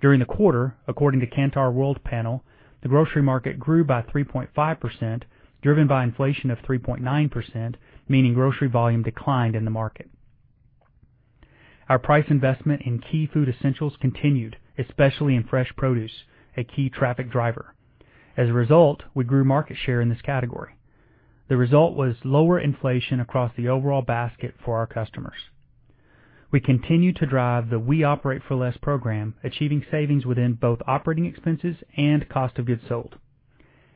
During the quarter, according to Kantar Worldpanel, the grocery market grew by 3.5%, driven by inflation of 3.9%, meaning grocery volume declined in the market. Our price investment in key food essentials continued, especially in fresh produce, a key traffic driver. As a result, we grew market share in this category. The result was lower inflation across the overall basket for our customers. We continued to drive the We Operate For Less program, achieving savings within both operating expenses and cost of goods sold.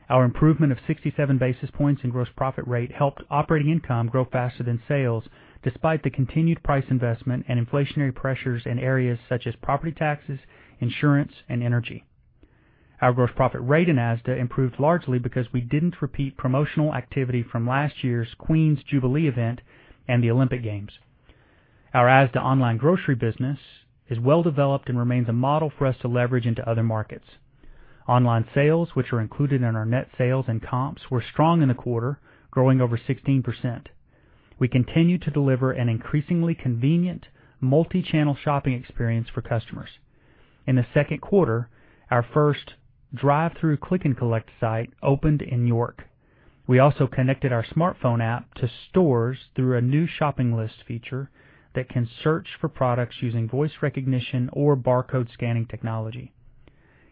Our improvement of 67 basis points in gross profit rate helped operating income grow faster than sales, despite the continued price investment and inflationary pressures in areas such as property taxes, insurance, and energy. Our gross profit rate in Asda improved largely because we didn't repeat promotional activity from last year's Queen's Jubilee event and the Olympic Games. Our Asda online grocery business is well-developed and remains a model for us to leverage into other markets. Online sales, which are included in our net sales and comps, were strong in the quarter, growing over 16%. We continue to deliver an increasingly convenient multi-channel shopping experience for customers. In the second quarter, our first drive-thru click and collect site opened in York. We also connected our smartphone app to stores through a new shopping list feature that can search for products using voice recognition or barcode scanning technology.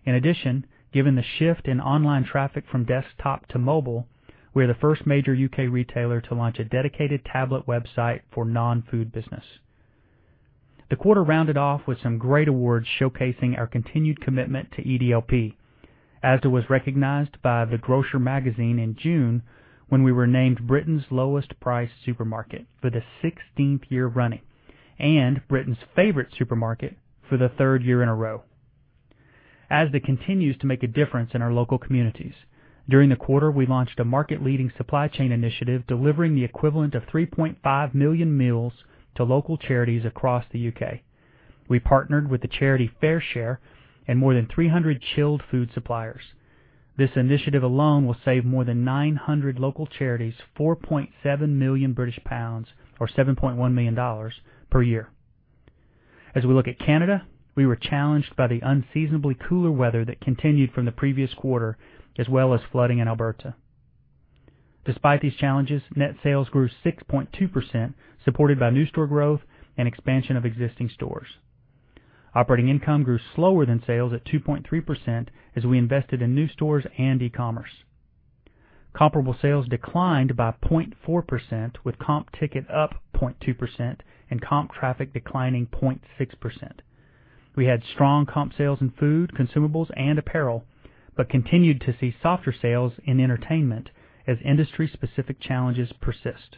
In addition, given the shift in online traffic from desktop to mobile, we're the first major U.K. retailer to launch a dedicated tablet website for non-food business. The quarter rounded off with some great awards showcasing our continued commitment to EDLP. Asda was recognized by The Grocer Magazine in June when we were named Britain's lowest priced supermarket for the 16th year running, and Britain's favorite supermarket for the third year in a row. Asda continues to make a difference in our local communities. During the quarter, we launched a market-leading supply chain initiative delivering the equivalent of 3.5 million meals to local charities across the U.K. We partnered with the charity FareShare and more than 300 chilled food suppliers. This initiative alone will save more than 900 local charities 4.7 million British pounds, or $7.1 million per year. We look at Canada, we were challenged by the unseasonably cooler weather that continued from the previous quarter, as well as flooding in Alberta. Despite these challenges, net sales grew 6.2%, supported by new store growth and expansion of existing stores. Operating income grew slower than sales at 2.3% as we invested in new stores and e-commerce. Comparable sales declined by 0.4%, with comp ticket up 0.2% and comp traffic declining 0.6%. We had strong comp sales in food, consumables, and apparel, continued to see softer sales in entertainment as industry-specific challenges persist.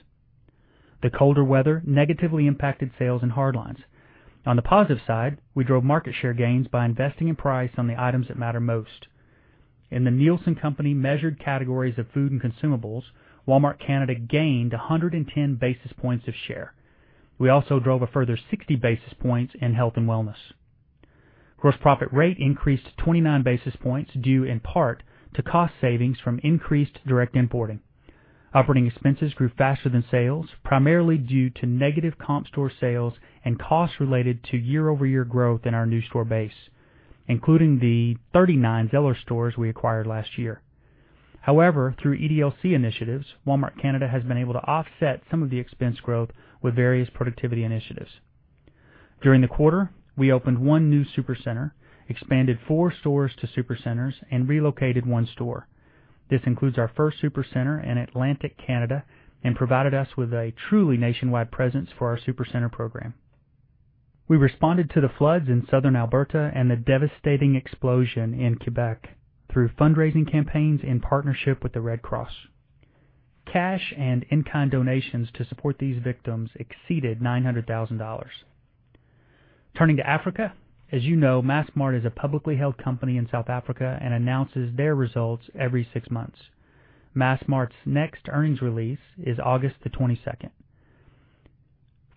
The colder weather negatively impacted sales and hard lines. On the positive side, we drove market share gains by investing in price on the items that matter most. In The Nielsen Company-measured categories of food and consumables, Walmart Canada gained 110 basis points of share. We also drove a further 60 basis points in health and wellness. Gross profit rate increased 29 basis points, due in part to cost savings from increased direct importing. Operating expenses grew faster than sales, primarily due to negative comp store sales and costs related to year-over-year growth in our new store base, including the 39 Zellers stores we acquired last year. Through EDLC initiatives, Walmart Canada has been able to offset some of the expense growth with various productivity initiatives. During the quarter, we opened one new Supercenter, expanded four stores to Supercenters, and relocated one store. This includes our first Supercenter in Atlantic Canada and provided us with a truly nationwide presence for our Supercenter program. We responded to the floods in Southern Alberta and the devastating explosion in Quebec through fundraising campaigns in partnership with the Red Cross. Cash and in-kind donations to support these victims exceeded $900,000. Turning to Africa, as you know, Massmart is a publicly held company in South Africa and announces their results every six months. Massmart's next earnings release is August 22nd.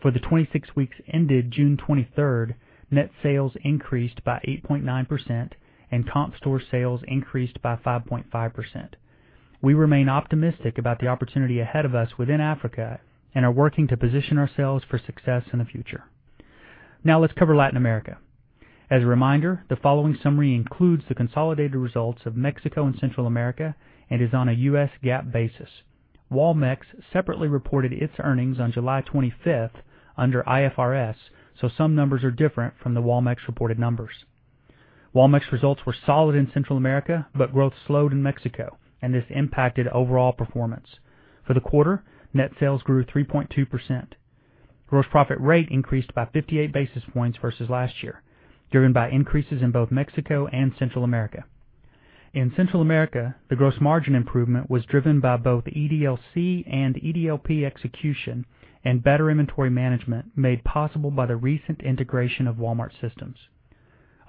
For the 26 weeks ended June 23rd, net sales increased by 8.9% and comp store sales increased by 5.5%. We remain optimistic about the opportunity ahead of us within Africa and are working to position ourselves for success in the future. Let's cover Latin America. A reminder, the following summary includes the consolidated results of Mexico and Central America and is on a U.S. GAAP basis. Walmex separately reported its earnings on July 25th under IFRS, some numbers are different from the Walmex reported numbers. Walmex results were solid in Central America, growth slowed in Mexico, and this impacted overall performance. For the quarter, net sales grew 3.2%. Gross profit rate increased by 58 basis points versus last year, driven by increases in both Mexico and Central America. In Central America, the gross margin improvement was driven by both EDLC and EDLP execution and better inventory management made possible by the recent integration of Walmart systems.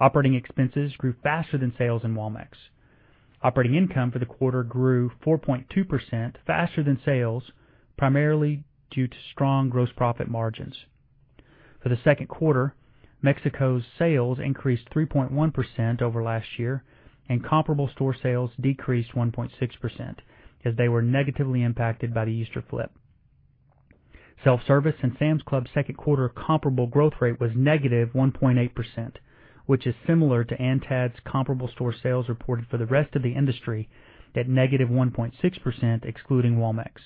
Operating expenses grew faster than sales in Walmex. Operating income for the quarter grew 4.2% faster than sales, primarily due to strong gross profit margins. For the second quarter, Mexico's sales increased 3.1% over last year, and comparable store sales decreased 1.6% as they were negatively impacted by the Easter flip. Self-service in Sam's Club second quarter comparable growth rate was negative 1.8%, which is similar to ANTAD's comparable store sales reported for the rest of the industry at negative 1.6%, excluding Walmex.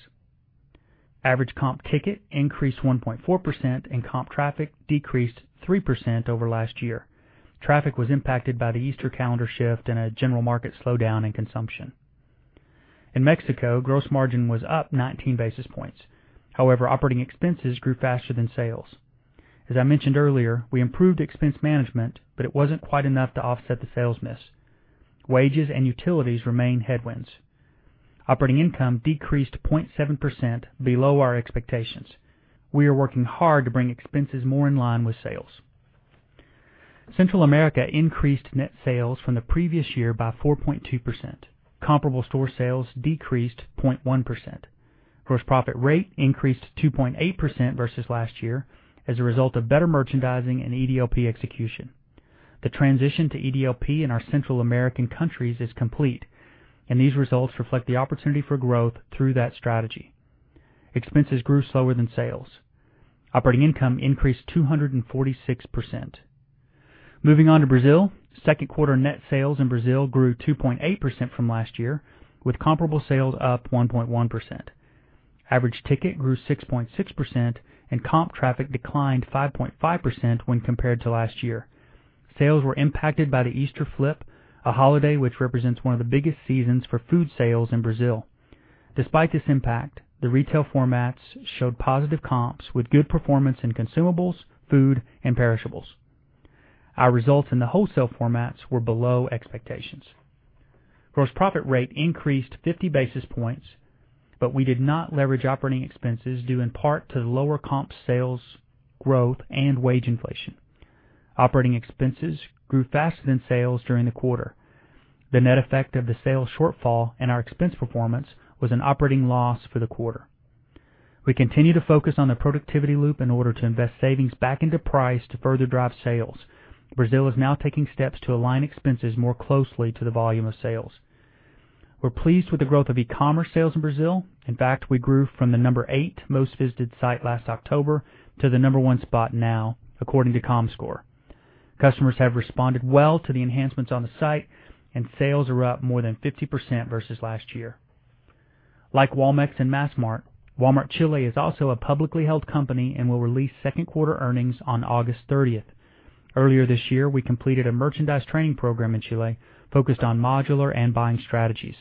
Average comp ticket increased 1.4% and comp traffic decreased 3% over last year. Traffic was impacted by the Easter calendar shift and a general market slowdown in consumption. In Mexico, gross margin was up 19 basis points. Operating expenses grew faster than sales. As I mentioned earlier, we improved expense management, but it wasn't quite enough to offset the sales miss. Wages and utilities remain headwinds. Operating income decreased to 0.7% below our expectations. We are working hard to bring expenses more in line with sales. Central America increased net sales from the previous year by 4.2%. Comparable store sales decreased 0.1%. Gross profit rate increased 2.8% versus last year as a result of better merchandising and EDLP execution. The transition to EDLP in our Central American countries is complete. These results reflect the opportunity for growth through that strategy. Expenses grew slower than sales. Operating income increased 246%. Moving on to Brazil, second quarter net sales in Brazil grew 2.8% from last year with comparable sales up 1.1%. Average ticket grew 6.6% and comp traffic declined 5.5% when compared to last year. Sales were impacted by the Easter flip, a holiday which represents one of the biggest seasons for food sales in Brazil. Despite this impact, the retail formats showed positive comps with good performance in consumables, food, and perishables. Our results in the wholesale formats were below expectations. Gross profit rate increased 50 basis points, but we did not leverage operating expenses due in part to the lower comp sales growth and wage inflation. Operating expenses grew faster than sales during the quarter. The net effect of the sales shortfall and our expense performance was an operating loss for the quarter. We continue to focus on the productivity loop in order to invest savings back into price to further drive sales. Brazil is now taking steps to align expenses more closely to the volume of sales. We're pleased with the growth of e-commerce sales in Brazil. In fact, we grew from the number 8 most visited site last October to the number 1 spot now according to Comscore. Customers have responded well to the enhancements on the site, and sales are up more than 50% versus last year. Like Walmex and Massmart, Walmart Chile is also a publicly held company and will release second quarter earnings on August 30th. Earlier this year, we completed a merchandise training program in Chile focused on modular and buying strategies.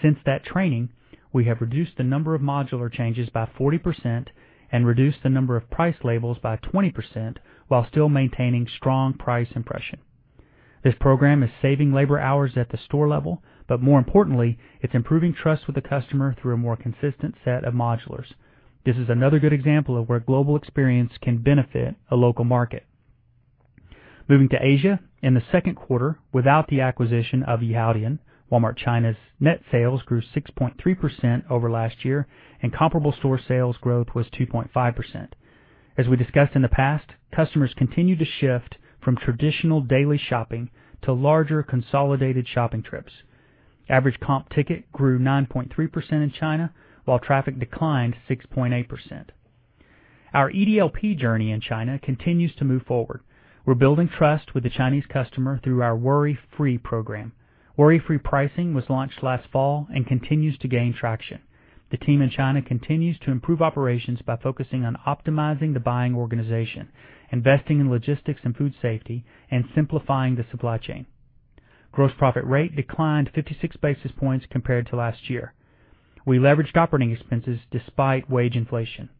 Since that training, we have reduced the number of modular changes by 40% and reduced the number of price labels by 20% while still maintaining strong price impression. This program is saving labor hours at the store level, but more importantly, it's improving trust with the customer through a more consistent set of modulars. This is another good example of where global experience can benefit a local market. Moving to Asia, in the second quarter, without the acquisition of Yihaodian, Walmart China's net sales grew 6.3% over last year, and comparable store sales growth was 2.5%. As we discussed in the past, customers continue to shift from traditional daily shopping to larger consolidated shopping trips. Average comp ticket grew 9.3% in China, while traffic declined 6.8%. Our EDLP journey in China continues to move forward. We're building trust with the Chinese customer through our Worry-Free program. Worry-Free pricing was launched last fall and continues to gain traction. The team in China continues to improve operations by focusing on optimizing the buying organization, investing in logistics and food safety, and simplifying the supply chain. Gross profit rate declined 56 basis points compared to last year. We leveraged operating expenses despite wage inflation.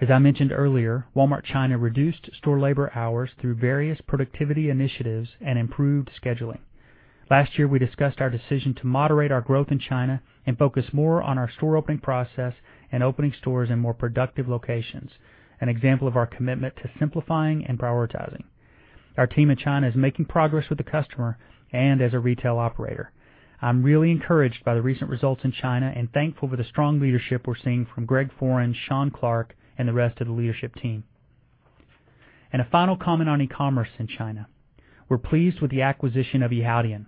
As I mentioned earlier, Walmart China reduced store labor hours through various productivity initiatives and improved scheduling. Last year, we discussed our decision to moderate our growth in China and focus more on our store opening process and opening stores in more productive locations, an example of our commitment to simplifying and prioritizing. Our team in China is making progress with the customer and as a retail operator. I'm really encouraged by the recent results in China and thankful for the strong leadership we're seeing from Greg Foran, Sean Clarke, and the rest of the leadership team. A final comment on e-commerce in China. We're pleased with the acquisition of Yihaodian,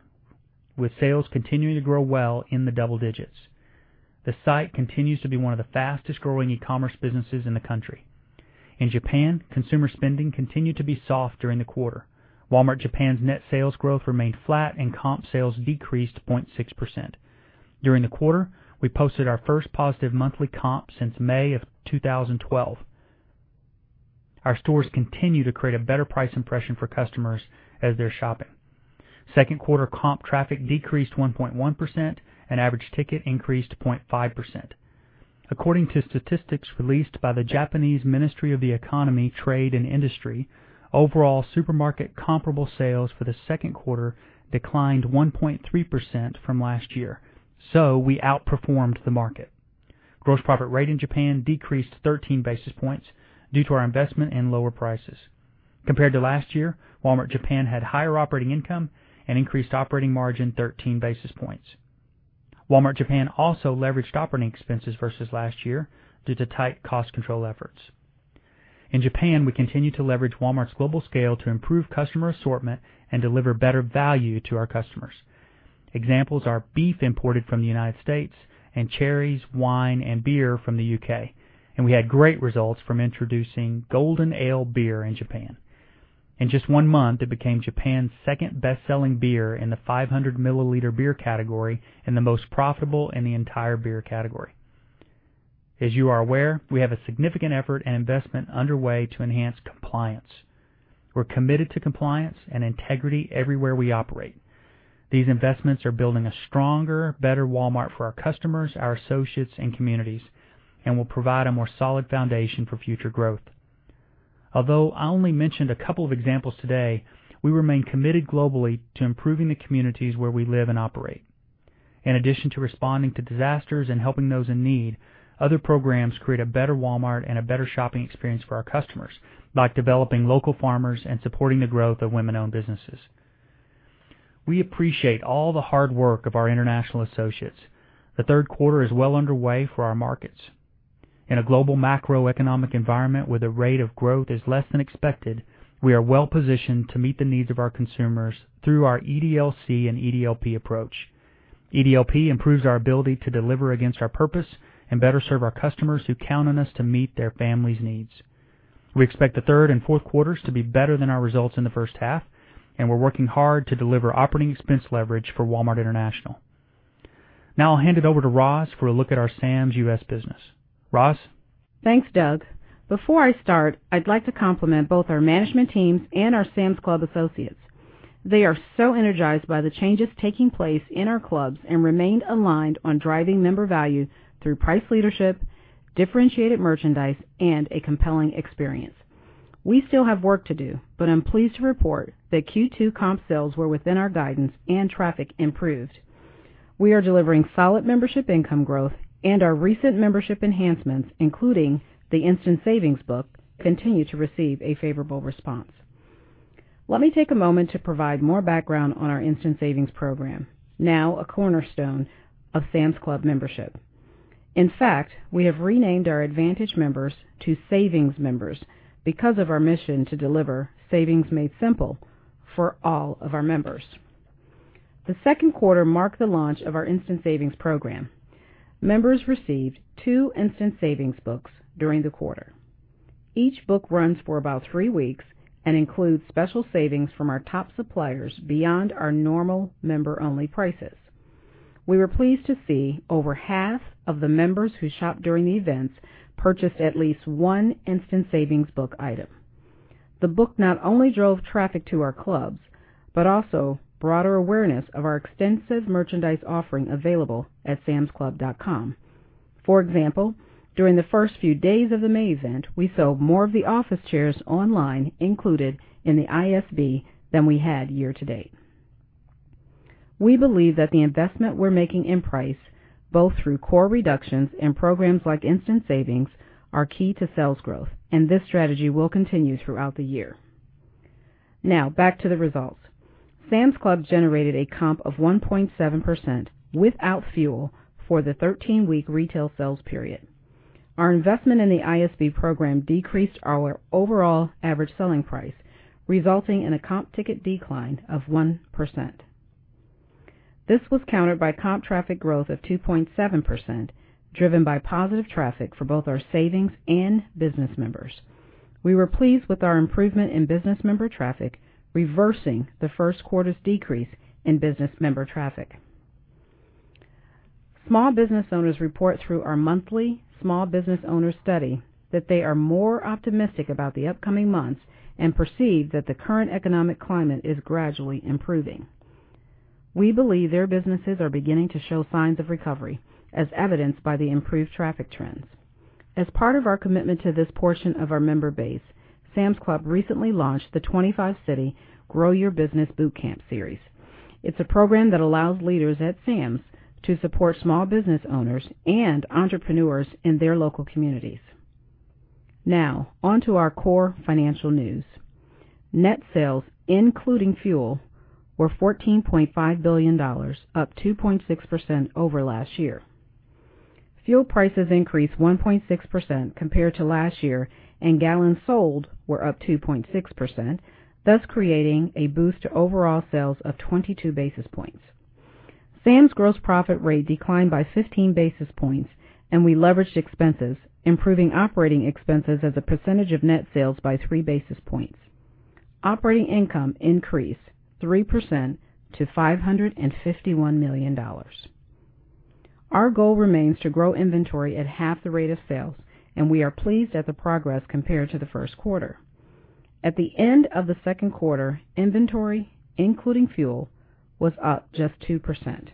with sales continuing to grow well in the double digits. The site continues to be one of the fastest-growing e-commerce businesses in the country. In Japan, consumer spending continued to be soft during the quarter. Walmart Japan's net sales growth remained flat and comp sales decreased 0.6%. During the quarter, we posted our first positive monthly comp since May of 2012. Our stores continue to create a better price impression for customers as they're shopping. Second quarter comp traffic decreased 1.1% and average ticket increased 0.5%. According to statistics released by the Japanese Ministry of the Economy, Trade and Industry, overall supermarket comparable sales for the second quarter declined 1.3% from last year, we outperformed the market. Gross profit rate in Japan decreased 13 basis points due to our investment in lower prices. Compared to last year, Walmart Japan had higher operating income and increased operating margin 13 basis points. Walmart Japan also leveraged operating expenses versus last year due to tight cost control efforts. In Japan, we continue to leverage Walmart's global scale to improve customer assortment and deliver better value to our customers. Examples are beef imported from the U.S. and cherries, wine, and beer from the U.K. We had great results from introducing Golden Ale beer in Japan. In just one month, it became Japan's second best-selling beer in the 500-milliliter beer category and the most profitable in the entire beer category. As you are aware, we have a significant effort and investment underway to enhance compliance. We're committed to compliance and integrity everywhere we operate. These investments are building a stronger, better Walmart for our customers, our associates, and communities, and will provide a more solid foundation for future growth. Although I only mentioned a couple of examples today, we remain committed globally to improving the communities where we live and operate. In addition to responding to disasters and helping those in need, other programs create a better Walmart and a better shopping experience for our customers, like developing local farmers and supporting the growth of women-owned businesses. We appreciate all the hard work of our international associates. The third quarter is well underway for our markets. In a global macroeconomic environment where the rate of growth is less than expected, we are well-positioned to meet the needs of our consumers through our EDLC and EDLP approach. EDLP improves our ability to deliver against our purpose and better serve our customers who count on us to meet their family's needs. We expect the third and fourth quarters to be better than our results in the first half. We're working hard to deliver operating expense leverage for Walmart International. I'll hand it over to Roz for a look at our Sam's U.S. business. Roz? Thanks, Doug. Before I start, I'd like to compliment both our management teams and our Sam's Club associates. They are so energized by the changes taking place in our clubs and remained aligned on driving member value through price leadership, differentiated merchandise, and a compelling experience. We still have work to do, but I'm pleased to report that Q2 comp sales were within our guidance and traffic improved. We are delivering solid membership income growth and our recent membership enhancements, including the Instant Savings Book, continue to receive a favorable response. Let me take a moment to provide more background on our Instant Savings program, now a cornerstone of Sam's Club membership. In fact, we have renamed our Advantage members to Savings members because of our mission to deliver savings made simple for all of our members. The second quarter marked the launch of our Instant Savings program. Members received two Instant Savings Books during the quarter. Each book runs for about three weeks and includes special savings from our top suppliers beyond our normal member-only prices. We were pleased to see over half of the members who shopped during the events purchased at least one Instant Savings Book item. The book not only drove traffic to our clubs, but also broader awareness of our extensive merchandise offering available at samsclub.com. For example, during the first few days of the May event, we sold more of the office chairs online included in the ISB than we had year to date. We believe that the investment we're making in price, both through core reductions and programs like Instant Savings, are key to sales growth. This strategy will continue throughout the year. Back to the results. Sam's Club generated a comp of 1.7% without fuel for the 13-week retail sales period. Our investment in the ISB program decreased our overall average selling price, resulting in a comp ticket decline of 1%. This was countered by comp traffic growth of 2.7%, driven by positive traffic for both our Savings and Business members. We were pleased with our improvement in Business member traffic, reversing the first quarter's decrease in Business member traffic. Small business owners report through our monthly small business owner study that they are more optimistic about the upcoming months and perceive that the current economic climate is gradually improving. We believe their businesses are beginning to show signs of recovery, as evidenced by the improved traffic trends. As part of our commitment to this portion of our member base, Sam's Club recently launched the 25-city Grow Your Business Bootcamp series. It's a program that allows leaders at Sam's to support small business owners and entrepreneurs in their local communities. Now on to our core financial news. Net sales, including fuel, were $14.5 billion, up 2.6% over last year. Fuel prices increased 1.6% compared to last year, and gallons sold were up 2.6%, thus creating a boost to overall sales of 22 basis points. Sam's gross profit rate declined by 15 basis points, and we leveraged expenses, improving operating expenses as a percentage of net sales by three basis points. Operating income increased 3% to $551 million. Our goal remains to grow inventory at half the rate of sales, and we are pleased at the progress compared to the first quarter. At the end of the second quarter, inventory, including fuel, was up just 2%.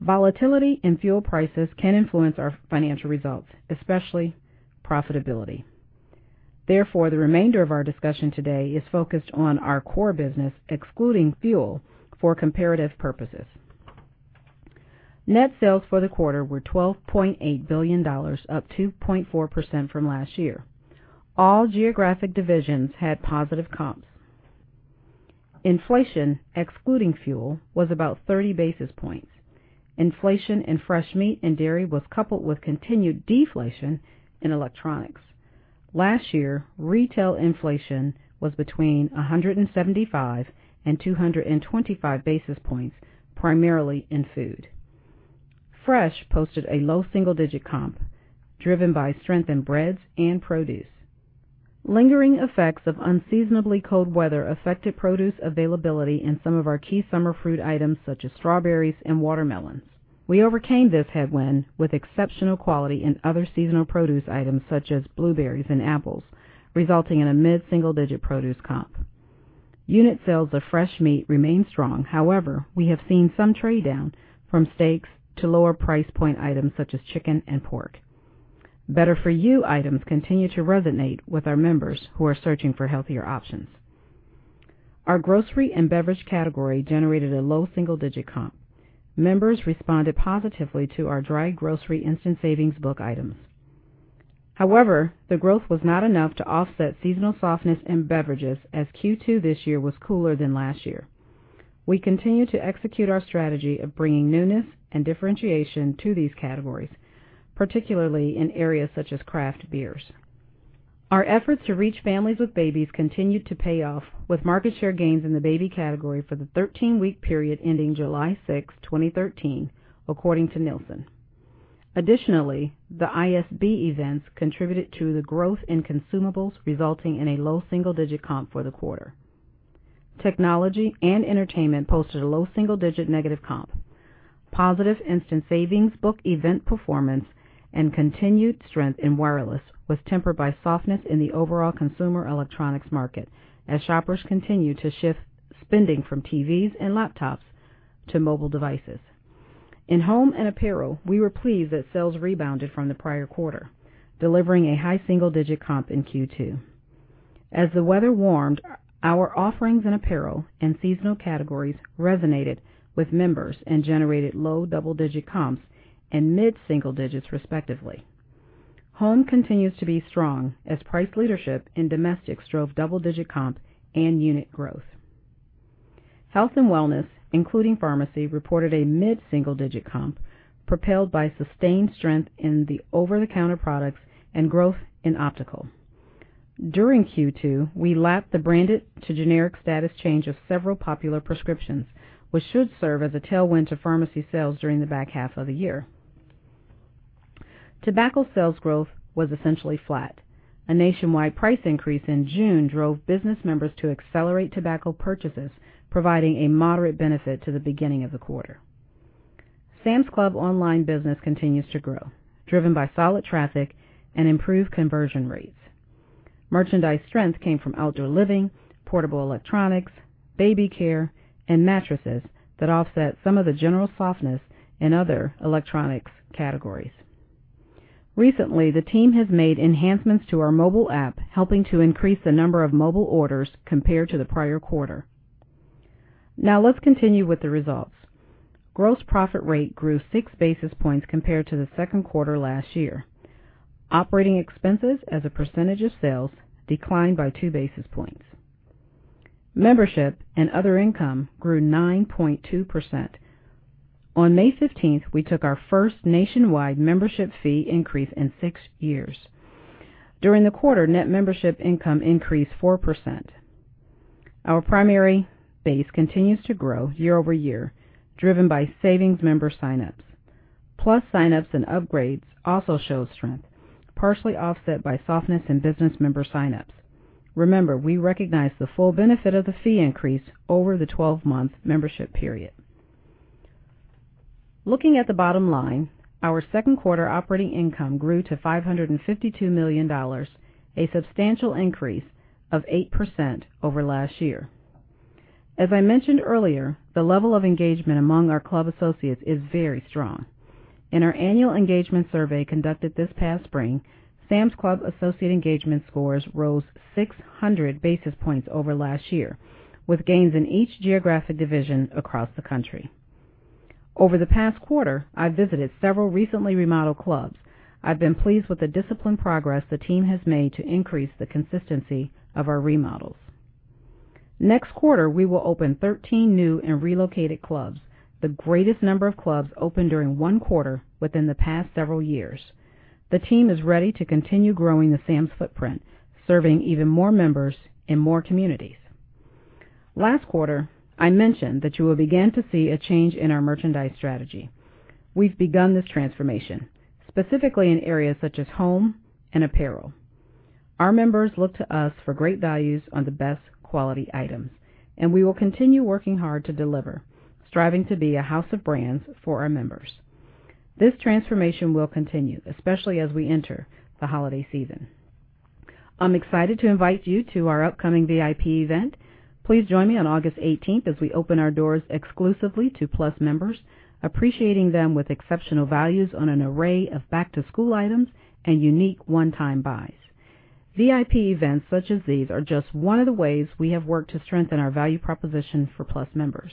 Volatility in fuel prices can influence our financial results, especially profitability. Therefore, the remainder of our discussion today is focused on our core business, excluding fuel, for comparative purposes. Net sales for the quarter were $12.8 billion, up 2.4% from last year. All geographic divisions had positive comps. Inflation, excluding fuel, was about 30 basis points. Inflation in fresh meat and dairy was coupled with continued deflation in electronics. Last year, retail inflation was between 175 and 225 basis points, primarily in food. Fresh posted a low single-digit comp, driven by strength in breads and produce. Lingering effects of unseasonably cold weather affected produce availability in some of our key summer fruit items such as strawberries and watermelons. We overcame this headwind with exceptional quality in other seasonal produce items such as blueberries and apples, resulting in a mid-single-digit produce comp. Unit sales of fresh meat remain strong. However, we have seen some trade down from steaks to lower price point items such as chicken and pork. Better For You items continue to resonate with our members who are searching for healthier options. Our grocery and beverage category generated a low double-digit comp. Members responded positively to our dry grocery Instant Savings Book items. However, the growth was not enough to offset seasonal softness in beverages, as Q2 this year was cooler than last year. We continue to execute our strategy of bringing newness and differentiation to these categories, particularly in areas such as craft beers. Our efforts to reach families with babies continued to pay off with market share gains in the baby category for the 13-week period ending July 6th, 2013, according to Nielsen. Additionally, the ISB events contributed to the growth in consumables, resulting in a low single-digit comp for the quarter. Technology and entertainment posted a low single-digit negative comp. Positive Instant Savings Book event performance and continued strength in wireless was tempered by softness in the overall consumer electronics market as shoppers continue to shift spending from TVs and laptops to mobile devices. In home and apparel, we were pleased that sales rebounded from the prior quarter, delivering a high single-digit comp in Q2. As the weather warmed, our offerings in apparel and seasonal categories resonated with members and generated low double-digit comps and mid-single digits, respectively. Home continues to be strong as price leadership in domestics drove double-digit comp and unit growth. Health and wellness, including pharmacy, reported a mid-single-digit comp, propelled by sustained strength in the over-the-counter products and growth in optical. During Q2, we lapped the branded to generic status change of several popular prescriptions, which should serve as a tailwind to pharmacy sales during the back half of the year. Tobacco sales growth was essentially flat. A nationwide price increase in June drove business members to accelerate tobacco purchases, providing a moderate benefit to the beginning of the quarter. Sam's Club online business continues to grow, driven by solid traffic and improved conversion rates. Merchandise strength came from outdoor living, portable electronics, baby care, and mattresses that offset some of the general softness in other electronics categories. Recently, the team has made enhancements to our mobile app, helping to increase the number of mobile orders compared to the prior quarter. Let's continue with the results. Gross profit rate grew six basis points compared to the second quarter last year. Operating expenses as a percentage of sales declined by two basis points. Membership and other income grew 9.2%. On May 15th, we took our first nationwide membership fee increase in six years. During the quarter, net membership income increased 4%. Our primary base continues to grow year-over-year, driven by Savings Member sign-ups. Plus sign-ups and upgrades also showed strength, partially offset by softness in Business Member sign-ups. Remember, we recognize the full benefit of the fee increase over the 12-month membership period. Looking at the bottom line, our second quarter operating income grew to $552 million, a substantial increase of 8% over last year. As I mentioned earlier, the level of engagement among our club associates is very strong. In our annual engagement survey conducted this past spring, Sam's Club associate engagement scores rose 600 basis points over last year, with gains in each geographic division across the country. Over the past quarter, I've visited several recently remodeled clubs. I've been pleased with the disciplined progress the team has made to increase the consistency of our remodels. Next quarter, we will open 13 new and relocated clubs, the greatest number of clubs opened during one quarter within the past several years. The team is ready to continue growing the Sam's footprint, serving even more members in more communities. Last quarter, I mentioned that you will begin to see a change in our merchandise strategy. We've begun this transformation, specifically in areas such as home and apparel. Our members look to us for great values on the best quality items, and we will continue working hard to deliver, striving to be a house of brands for our members. This transformation will continue, especially as we enter the holiday season. I'm excited to invite you to our upcoming VIP event. Please join me on August 18th as we open our doors exclusively to Plus members, appreciating them with exceptional values on an array of back-to-school items and unique one-time buys. VIP events such as these are just one of the ways we have worked to strengthen our value proposition for Plus members.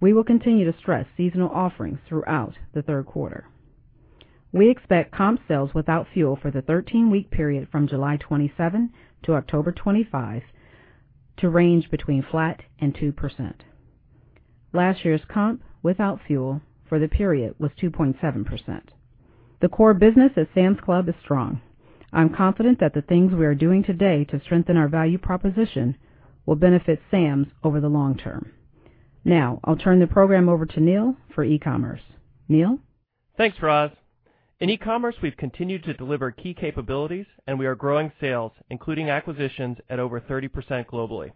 We will continue to stress seasonal offerings throughout the third quarter. We expect comp sales without fuel for the 13-week period from July 27 to October 25 to range between flat and 2%. Last year's comp, without fuel, for the period was 2.7%. The core business at Sam's Club is strong. I'm confident that the things we are doing today to strengthen our value proposition will benefit Sam's over the long term. I'll turn the program over to Neil for e-commerce. Neil? Thanks, Roz. In e-commerce, we've continued to deliver key capabilities, and we are growing sales, including acquisitions at over 30% globally.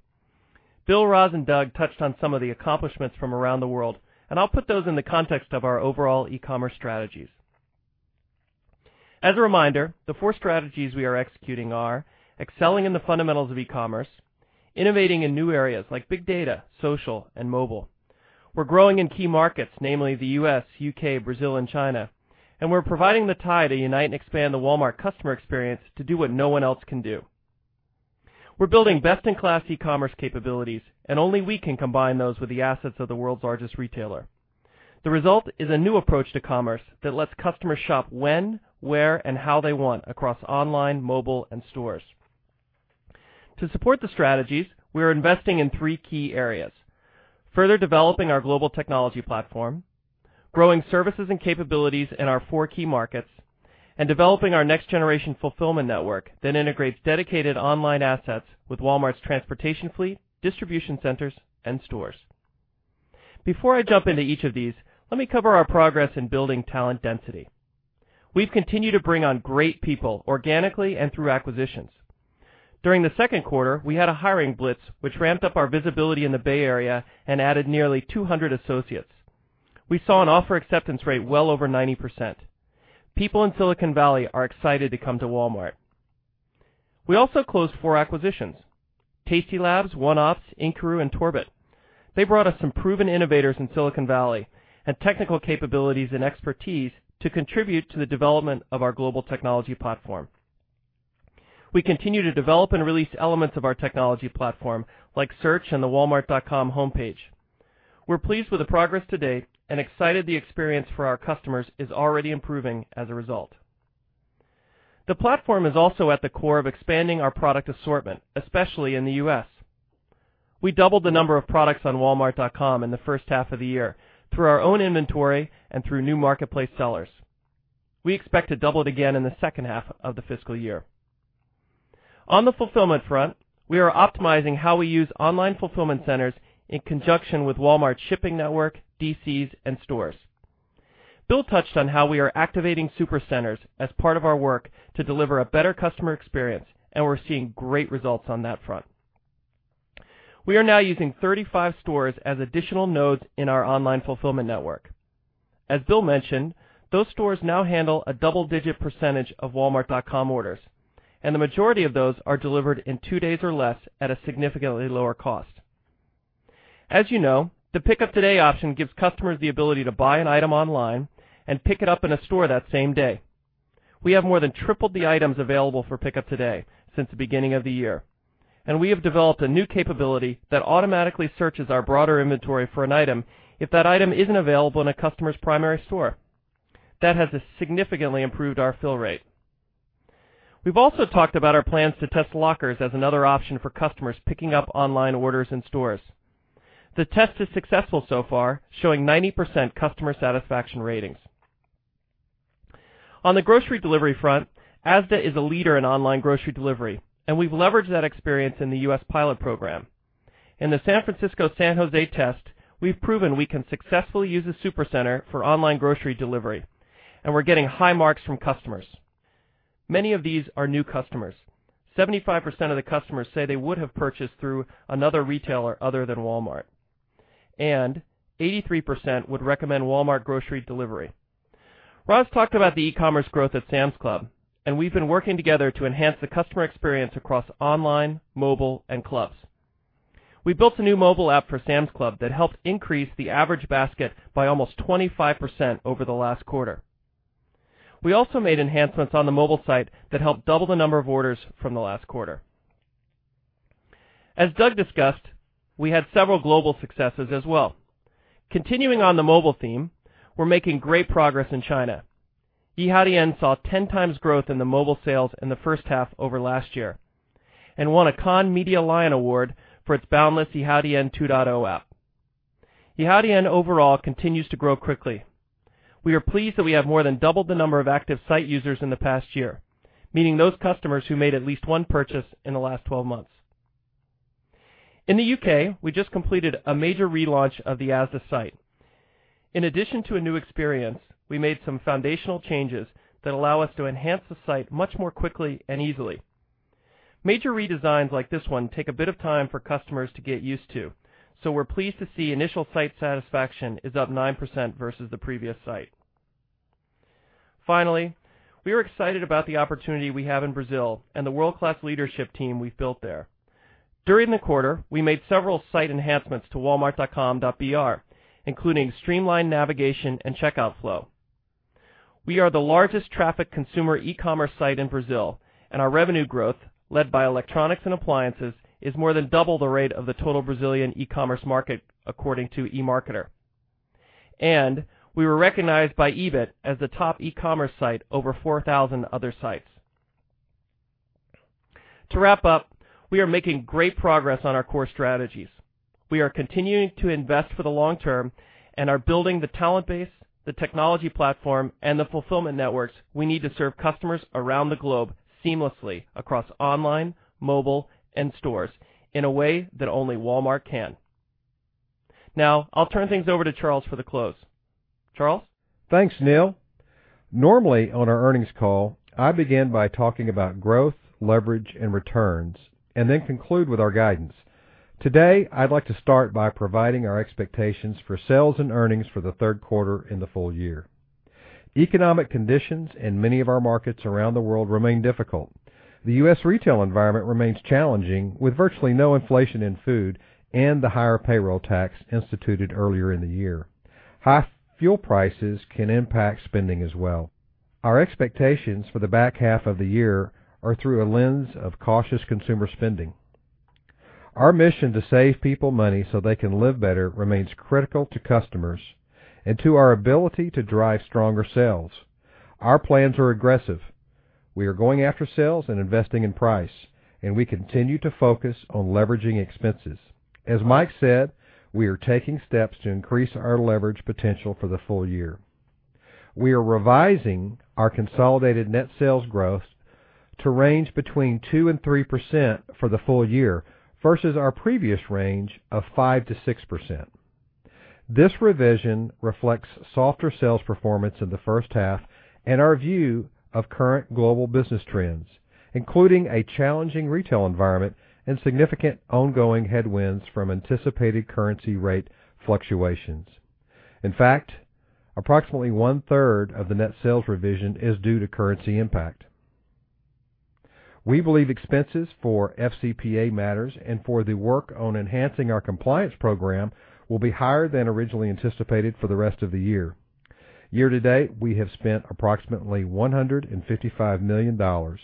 Bill, Roz, and Doug touched on some of the accomplishments from around the world, and I'll put those in the context of our overall e-commerce strategies. As a reminder, the four strategies we are executing are excelling in the fundamentals of e-commerce, innovating in new areas like big data, social and mobile. We're growing in key markets, namely the U.S., U.K., Brazil, and China, and we're providing the tie to unite and expand the Walmart customer experience to do what no one else can do. We're building best-in-class e-commerce capabilities, and only we can combine those with the assets of the world's largest retailer. The result is a new approach to commerce that lets customers shop when, where, and how they want across online, mobile, and stores. To support the strategies, we are investing in three key areas: further developing our global technology platform, growing services and capabilities in our four key markets, and developing our next-generation fulfillment network that integrates dedicated online assets with Walmart's transportation fleet, distribution centers, and stores. Before I jump into each of these, let me cover our progress in building talent density. We've continued to bring on great people organically and through acquisitions. During the second quarter, we had a hiring blitz which ramped up our visibility in the Bay Area and added nearly 200 associates. We saw an offer acceptance rate well over 90%. People in Silicon Valley are excited to come to Walmart. We also closed four acquisitions, Tasty Labs, OneOps, Inkiru, and Torbit. They brought us some proven innovators in Silicon Valley and technical capabilities and expertise to contribute to the development of our global technology platform. We continue to develop and release elements of our technology platform, like search and the walmart.com homepage. We are pleased with the progress to date and excited the experience for our customers is already improving as a result. The platform is also at the core of expanding our product assortment, especially in the U.S. We doubled the number of products on walmart.com in the first half of the year through our own inventory and through new marketplace sellers. We expect to double it again in the second half of the fiscal year. On the fulfillment front, we are optimizing how we use online fulfillment centers in conjunction with Walmart's shipping network, DCs, and stores. Bill touched on how we are activating Supercenters as part of our work to deliver a better customer experience, and we are seeing great results on that front. We are now using 35 stores as additional nodes in our online fulfillment network. As Bill mentioned, those stores now handle a double-digit percentage of walmart.com orders, and the majority of those are delivered in two days or less at a significantly lower cost. As you know, the Pick Up Today option gives customers the ability to buy an item online and pick it up in a store that same day. We have more than tripled the items available for Pick Up Today since the beginning of the year, and we have developed a new capability that automatically searches our broader inventory for an item if that item isn't available in a customer's primary store. That has significantly improved our fill rate. We have also talked about our plans to test lockers as another option for customers picking up online orders in stores. The test is successful so far, showing 90% customer satisfaction ratings. On the grocery delivery front, Asda is a leader in online grocery delivery, and we have leveraged that experience in the U.S. pilot program. In the San Francisco-San Jose test, we have proven we can successfully use a Supercenter for online grocery delivery, and we are getting high marks from customers. Many of these are new customers. 75% of the customers say they would have purchased through another retailer other than Walmart, and 83% would recommend Walmart grocery delivery. Roz talked about the e-commerce growth at Sam's Club, and we have been working together to enhance the customer experience across online, mobile, and clubs. We built a new mobile app for Sam's Club that helped increase the average basket by almost 25% over the last quarter. We also made enhancements on the mobile site that helped double the number of orders from the last quarter. As Doug discussed, we had several global successes as well. Continuing on the mobile theme, we are making great progress in China. Yihaodian saw 10 times growth in the mobile sales in the first half over last year and won a Cannes Lions Media Award for its boundless Yihaodian 2.0 app. Yihaodian overall continues to grow quickly. We are pleased that we have more than doubled the number of active site users in the past year, meaning those customers who made at least one purchase in the last 12 months. In the U.K., we just completed a major relaunch of the Asda site. In addition to a new experience, we made some foundational changes that allow us to enhance the site much more quickly and easily. Major redesigns like this one take a bit of time for customers to get used to, so we're pleased to see initial site satisfaction is up 9% versus the previous site. We are excited about the opportunity we have in Brazil and the world-class leadership team we've built there. During the quarter, we made several site enhancements to walmart.com.br, including streamlined navigation and checkout flow. We are the largest traffic consumer e-commerce site in Brazil, and our revenue growth, led by electronics and appliances, is more than double the rate of the total Brazilian e-commerce market, according to eMarketer. We were recognized by E-bit as the top e-commerce site over 4,000 other sites. To wrap up, we are making great progress on our core strategies. We are continuing to invest for the long term and are building the talent base, the technology platform, and the fulfillment networks we need to serve customers around the globe seamlessly across online, mobile, and stores in a way that only Walmart can. Now I'll turn things over to Charles for the close. Charles? Thanks, Neil. Normally on our earnings call, I begin by talking about growth, leverage, and returns and then conclude with our guidance. Today, I'd like to start by providing our expectations for sales and earnings for the third quarter and the full year. Economic conditions in many of our markets around the world remain difficult. The U.S. retail environment remains challenging, with virtually no inflation in food and the higher payroll tax instituted earlier in the year. High fuel prices can impact spending as well. Our expectations for the back half of the year are through a lens of cautious consumer spending. Our mission to save people money so they can live better remains critical to customers and to our ability to drive stronger sales. Our plans are aggressive. We are going after sales and investing in price, and we continue to focus on leveraging expenses. As Mike said, we are taking steps to increase our leverage potential for the full year. We are revising our consolidated net sales growth to range between 2%-3% for the full year versus our previous range of 5%-6%. This revision reflects softer sales performance in the first half and our view of current global business trends, including a challenging retail environment and significant ongoing headwinds from anticipated currency rate fluctuations. In fact, approximately one-third of the net sales revision is due to currency impact. We believe expenses for FCPA matters and for the work on enhancing our compliance program will be higher than originally anticipated for the rest of the year. Year-to-date, we have spent approximately $155 million.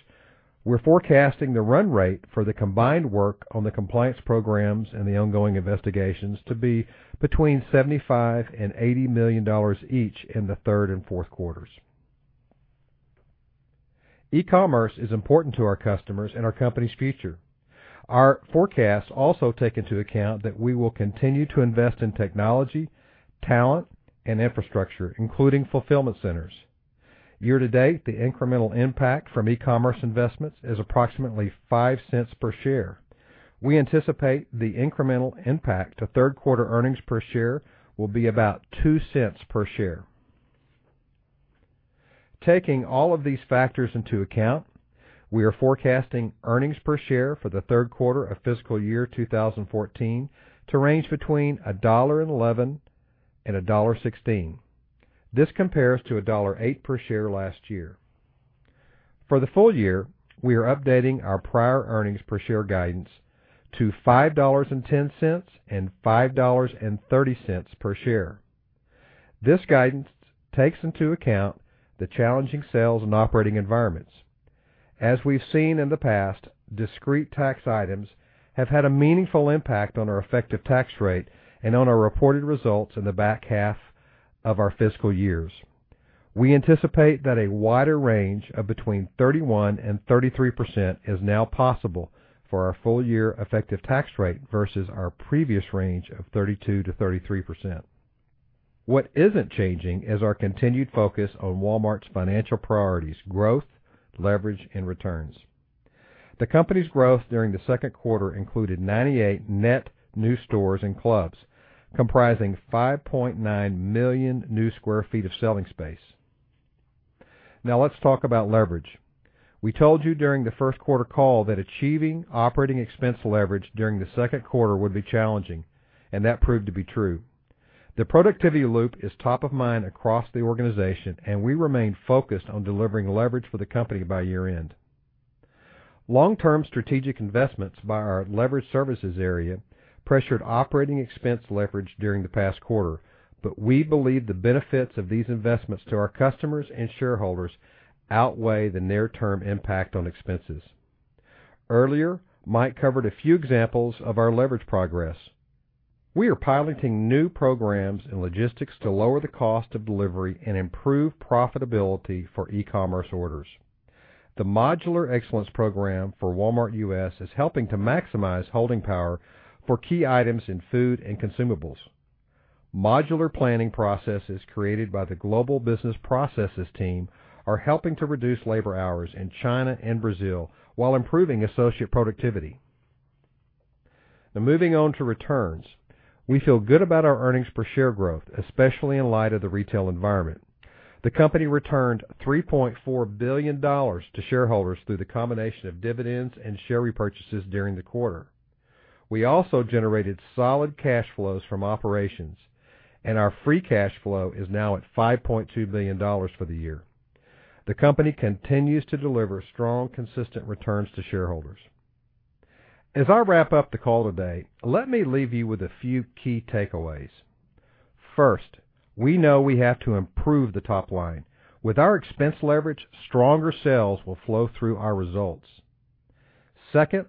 We're forecasting the run rate for the combined work on the compliance programs and the ongoing investigations to be between $75 million and $80 million each in the third and fourth quarters. e-commerce is important to our customers and our company's future. Our forecasts also take into account that we will continue to invest in technology, talent, and infrastructure, including fulfillment centers. Year-to-date, the incremental impact from e-commerce investments is approximately $0.05 per share. We anticipate the incremental impact to third-quarter earnings per share will be about $0.02 per share. Taking all of these factors into account, we are forecasting earnings per share for the third quarter of fiscal year 2014 to range between $1.11 and $1.16. This compares to $1.08 per share last year. For the full year, we are updating our prior earnings per share guidance to $5.10 and $5.30 per share. This guidance takes into account the challenging sales and operating environments. As we've seen in the past, discrete tax items have had a meaningful impact on our effective tax rate and on our reported results in the back half of our fiscal years. We anticipate that a wider range of between 31% and 33% is now possible for our full-year effective tax rate versus our previous range of 32%-33%. What isn't changing is our continued focus on Walmart's financial priorities: growth, leverage, and returns. The company's growth during the second quarter included 98 net new stores and clubs comprising 5.9 million new sq ft of selling space. Let's talk about leverage. We told you during the first quarter call that achieving operating expense leverage during the second quarter would be challenging, and that proved to be true. The productivity loop is top of mind across the organization. We remain focused on delivering leverage for the company by year-end. Long-term strategic investments by our leverage services area pressured operating expense leverage during the past quarter. We believe the benefits of these investments to our customers and shareholders outweigh the near-term impact on expenses. Earlier, Mike covered a few examples of our leverage progress. We are piloting new programs in logistics to lower the cost of delivery and improve profitability for e-commerce orders. The Modular Excellence Program for Walmart U.S. is helping to maximize holding power for key items in food and consumables. Modular planning processes created by the global business processes team are helping to reduce labor hours in China and Brazil while improving associate productivity. Moving on to returns. We feel good about our earnings per share growth, especially in light of the retail environment. The company returned $3.4 billion to shareholders through the combination of dividends and share repurchases during the quarter. We also generated solid cash flows from operations. Our free cash flow is now at $5.2 billion for the year. The company continues to deliver strong, consistent returns to shareholders. As I wrap up the call today, let me leave you with a few key takeaways. First, we know we have to improve the top line. With our expense leverage, stronger sales will flow through our results. Second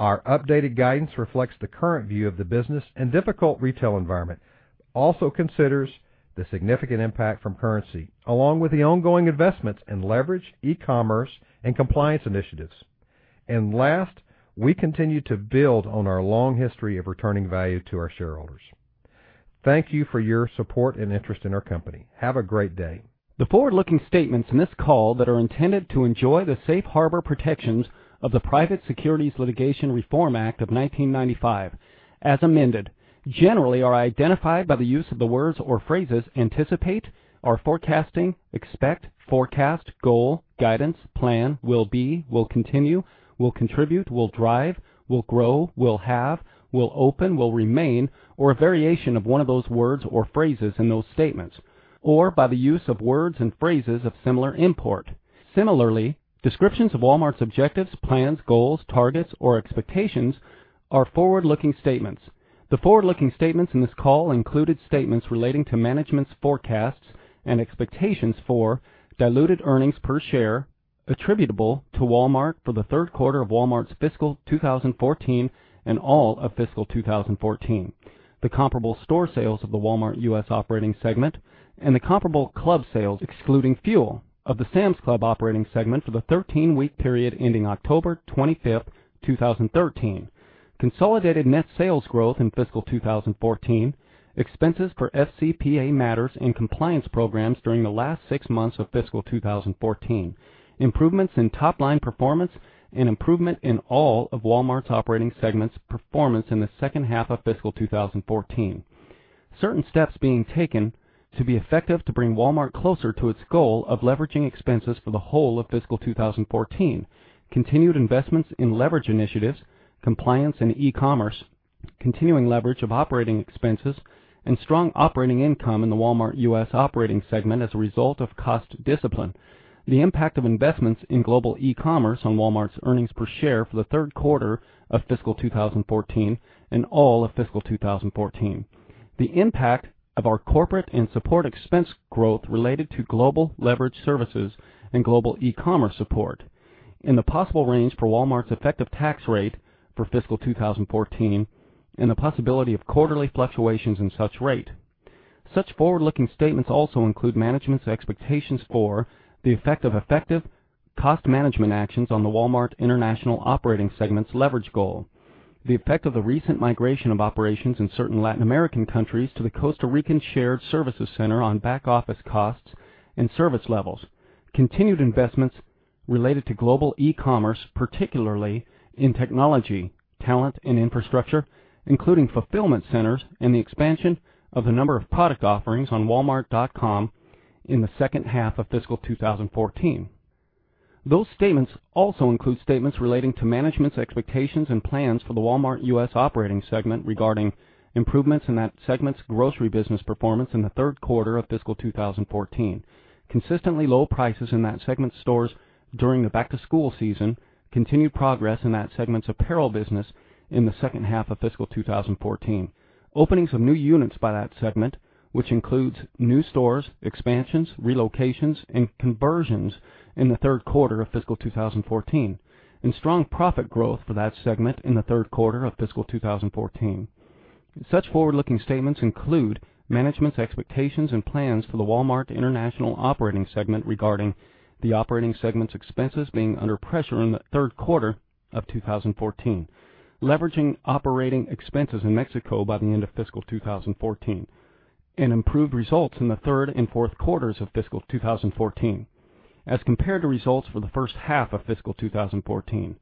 Our updated guidance reflects the current view of the business and difficult retail environment, also considers the significant impact from currency, along with the ongoing investments in leverage, e-commerce, and compliance initiatives. Last, we continue to build on our long history of returning value to our shareholders. Thank you for your support and interest in our company. Have a great day. The forward-looking statements in this call that are intended to enjoy the safe harbor protections of the Private Securities Litigation Reform Act of 1995, as amended, generally are identified by the use of the words or phrases anticipate or forecasting, expect, forecast, goal, guidance, plan, will be, will continue, will contribute, will drive, will grow, will have, will open, will remain, or a variation of one of those words or phrases in those statements, or by the use of words and phrases of similar import. Similarly, descriptions of Walmart's objectives, plans, goals, targets, or expectations are forward-looking statements. The forward-looking statements in this call included statements relating to management's forecasts and expectations for diluted earnings per share attributable to Walmart for the third quarter of Walmart's fiscal 2014 and all of fiscal 2014. The comparable store sales of the Walmart U.S. operating segment and the comparable club sales excluding fuel of the Sam's Club operating segment for the 13-week period ending October 25, 2013. Consolidated net sales growth in fiscal 2014, expenses for FCPA matters and compliance programs during the last six months of fiscal 2014. Improvements in top-line performance and improvement in all of Walmart's operating segments performance in the second half of fiscal 2014. Certain steps being taken to be effective to bring Walmart closer to its goal of leveraging expenses for the whole of fiscal 2014. Continued investments in leverage initiatives, compliance and e-commerce, continuing leverage of operating expenses, and strong operating income in the Walmart U.S. operating segment as a result of cost discipline. The impact of investments in Global eCommerce on Walmart's earnings per share for the third quarter of fiscal 2014 and all of fiscal 2014. The impact of our corporate and support expense growth related to global leverage services and Global eCommerce support, and the possible range for Walmart's effective tax rate for fiscal 2014, and the possibility of quarterly fluctuations in such rate. Such forward-looking statements also include management's expectations for the effect of effective cost management actions on the Walmart International operating segment's leverage goal. The effect of the recent migration of operations in certain Latin American countries to the Costa Rican shared services center on back office costs and service levels. Continued investments related to Global eCommerce, particularly in technology, talent, and infrastructure, including fulfillment centers and the expansion of the number of product offerings on walmart.com in the second half of fiscal 2014. Those statements also include statements relating to management's expectations and plans for the Walmart U.S. operating segment regarding improvements in that segment's grocery business performance in the third quarter of fiscal 2014. Consistently low prices in that segment's stores during the back-to-school season, continued progress in that segment's apparel business in the second half of fiscal 2014. Openings of new units by that segment, which includes new stores, expansions, relocations, and conversions in the third quarter of fiscal 2014, and strong profit growth for that segment in the third quarter of fiscal 2014. Such forward-looking statements include management's expectations and plans for the Walmart International operating segment regarding the operating segment's expenses being under pressure in the third quarter of 2014. Leveraging operating expenses in Mexico by the end of fiscal 2014, and improved results in the third and fourth quarters of fiscal 2014 as compared to results for the first half of fiscal 2014.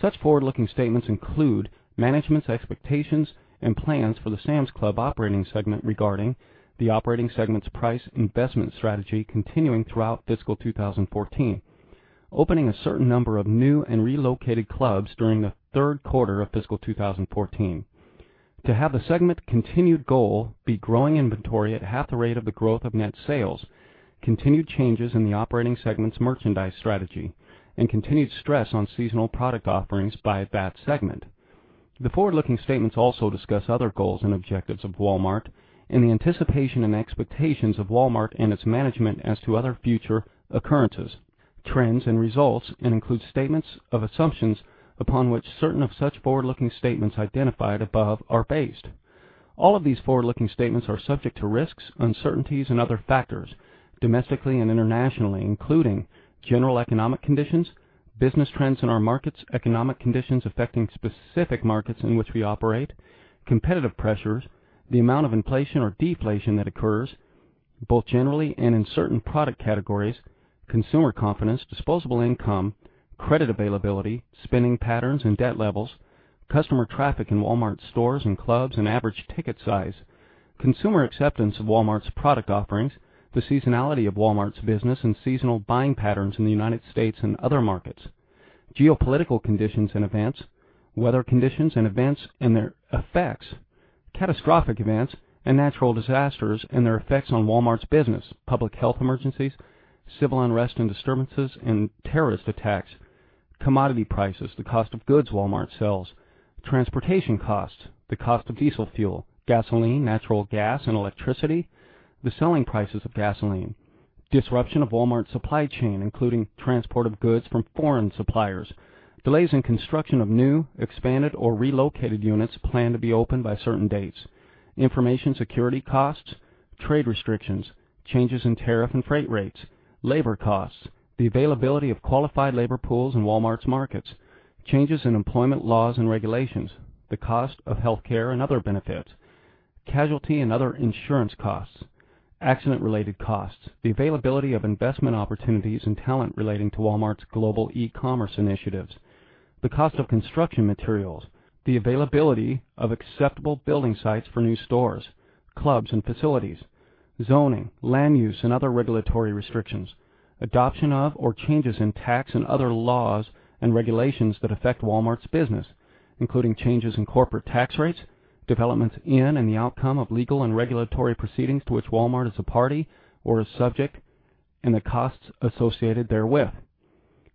Such forward-looking statements include management's expectations and plans for the Sam's Club operating segment regarding the operating segment's price investment strategy continuing throughout fiscal 2014. Opening a certain number of new and relocated clubs during the third quarter of fiscal 2014. To have the segment continued goal be growing inventory at half the rate of the growth of net sales. Continued changes in the operating segment's merchandise strategy and continued stress on seasonal product offerings by that segment. The forward-looking statements also discuss other goals and objectives of Walmart and the anticipation and expectations of Walmart and its management as to other future occurrences, trends, and results, and includes statements of assumptions upon which certain of such forward-looking statements identified above are based. All of these forward-looking statements are subject to risks, uncertainties and other factors, domestically and internationally, including general economic conditions, business trends in our markets, economic conditions affecting specific markets in which we operate, competitive pressures, the amount of inflation or deflation that occurs both generally and in certain product categories, consumer confidence, disposable income, credit availability, spending patterns and debt levels, customer traffic in Walmart stores and clubs, and average ticket size. Consumer acceptance of Walmart's product offerings, the seasonality of Walmart's business, and seasonal buying patterns in the United States and other markets. Geopolitical conditions and events, weather conditions and events and their effects, catastrophic events and natural disasters, and their effects on Walmart's business, public health emergencies, civil unrest and disturbances, and terrorist attacks. Commodity prices, the cost of goods Walmart sells, transportation costs, the cost of diesel fuel, gasoline, natural gas, and electricity, the selling prices of gasoline. Disruption of Walmart's supply chain, including transport of goods from foreign suppliers. Delays in construction of new, expanded, or relocated units planned to be opened by certain dates. Information security costs. Trade restrictions. Changes in tariff and freight rates. Labor costs. The availability of qualified labor pools in Walmart's markets. Changes in employment laws and regulations. The cost of healthcare and other benefits. Casualty and other insurance costs. Accident-related costs. The availability of investment opportunities and talent relating to Walmart's Global eCommerce initiatives. The cost of construction materials. The availability of acceptable building sites for new stores, clubs, and facilities. Zoning, land use, and other regulatory restrictions. Adoption of or changes in tax and other laws and regulations that affect Walmart's business, including changes in corporate tax rates, developments in and the outcome of legal and regulatory proceedings to which Walmart is a party or is subject, and the costs associated therewith.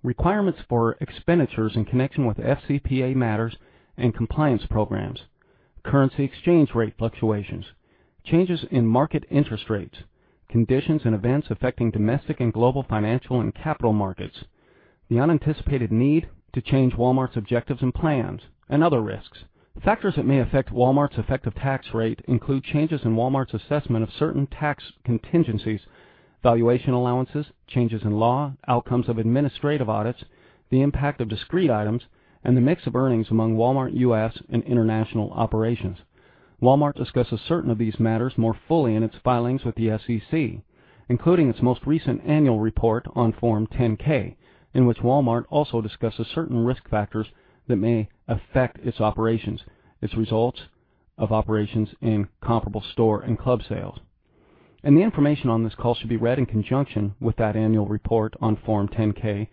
Requirements for expenditures in connection with FCPA matters and compliance programs. Currency exchange rate fluctuations. Changes in market interest rates. Conditions and events affecting domestic and global financial and capital markets. The unanticipated need to change Walmart's objectives and plans and other risks. Factors that may affect Walmart's effective tax rate include changes in Walmart's assessment of certain tax contingencies, valuation allowances, changes in law, outcomes of administrative audits, the impact of discrete items, and the mix of earnings among Walmart U.S. and international operations. Walmart discusses certain of these matters more fully in its filings with the SEC, including its most recent annual report on Form 10-K, in which Walmart also discusses certain risk factors that may affect its operations, its results of operations in comparable store and club sales. The information on this call should be read in conjunction with that annual report on Form 10-K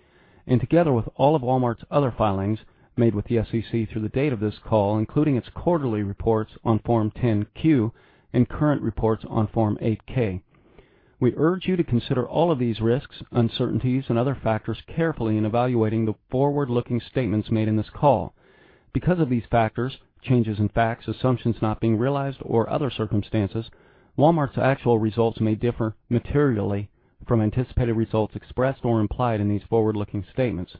and together with all of Walmart's other filings made with the SEC through the date of this call, including its quarterly reports on Form 10-Q and current reports on Form 8-K. We urge you to consider all of these risks, uncertainties, and other factors carefully in evaluating the forward-looking statements made in this call. Because of these factors, changes in facts, assumptions not being realized, or other circumstances, Walmart's actual results may differ materially from anticipated results expressed or implied in these forward-looking statements.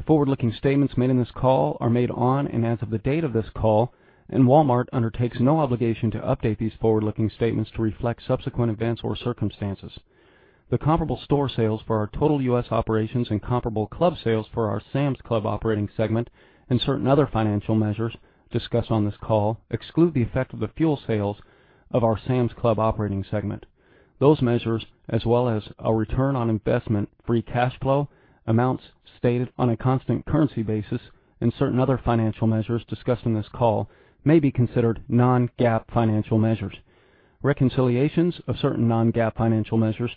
The forward-looking statements made in this call are made on and as of the date of this call. Walmart undertakes no obligation to update these forward-looking statements to reflect subsequent events or circumstances. The comparable store sales for our total U.S. operations and comparable club sales for our Sam's Club operating segment and certain other financial measures discussed on this call exclude the effect of the fuel sales of our Sam's Club operating segment. Those measures, as well as our return on investment, free cash flow, amounts stated on a constant currency basis, and certain other financial measures discussed on this call may be considered non-GAAP financial measures. Reconciliations of certain non-GAAP financial measures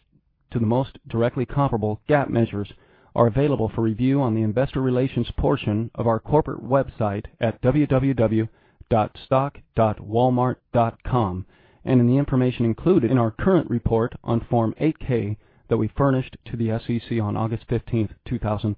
to the most directly comparable GAAP measures are available for review on the investor relations portion of our corporate website at www.stock.walmart.com and in the information included in our current report on Form 8-K that we furnished to the SEC on August 15, 2013.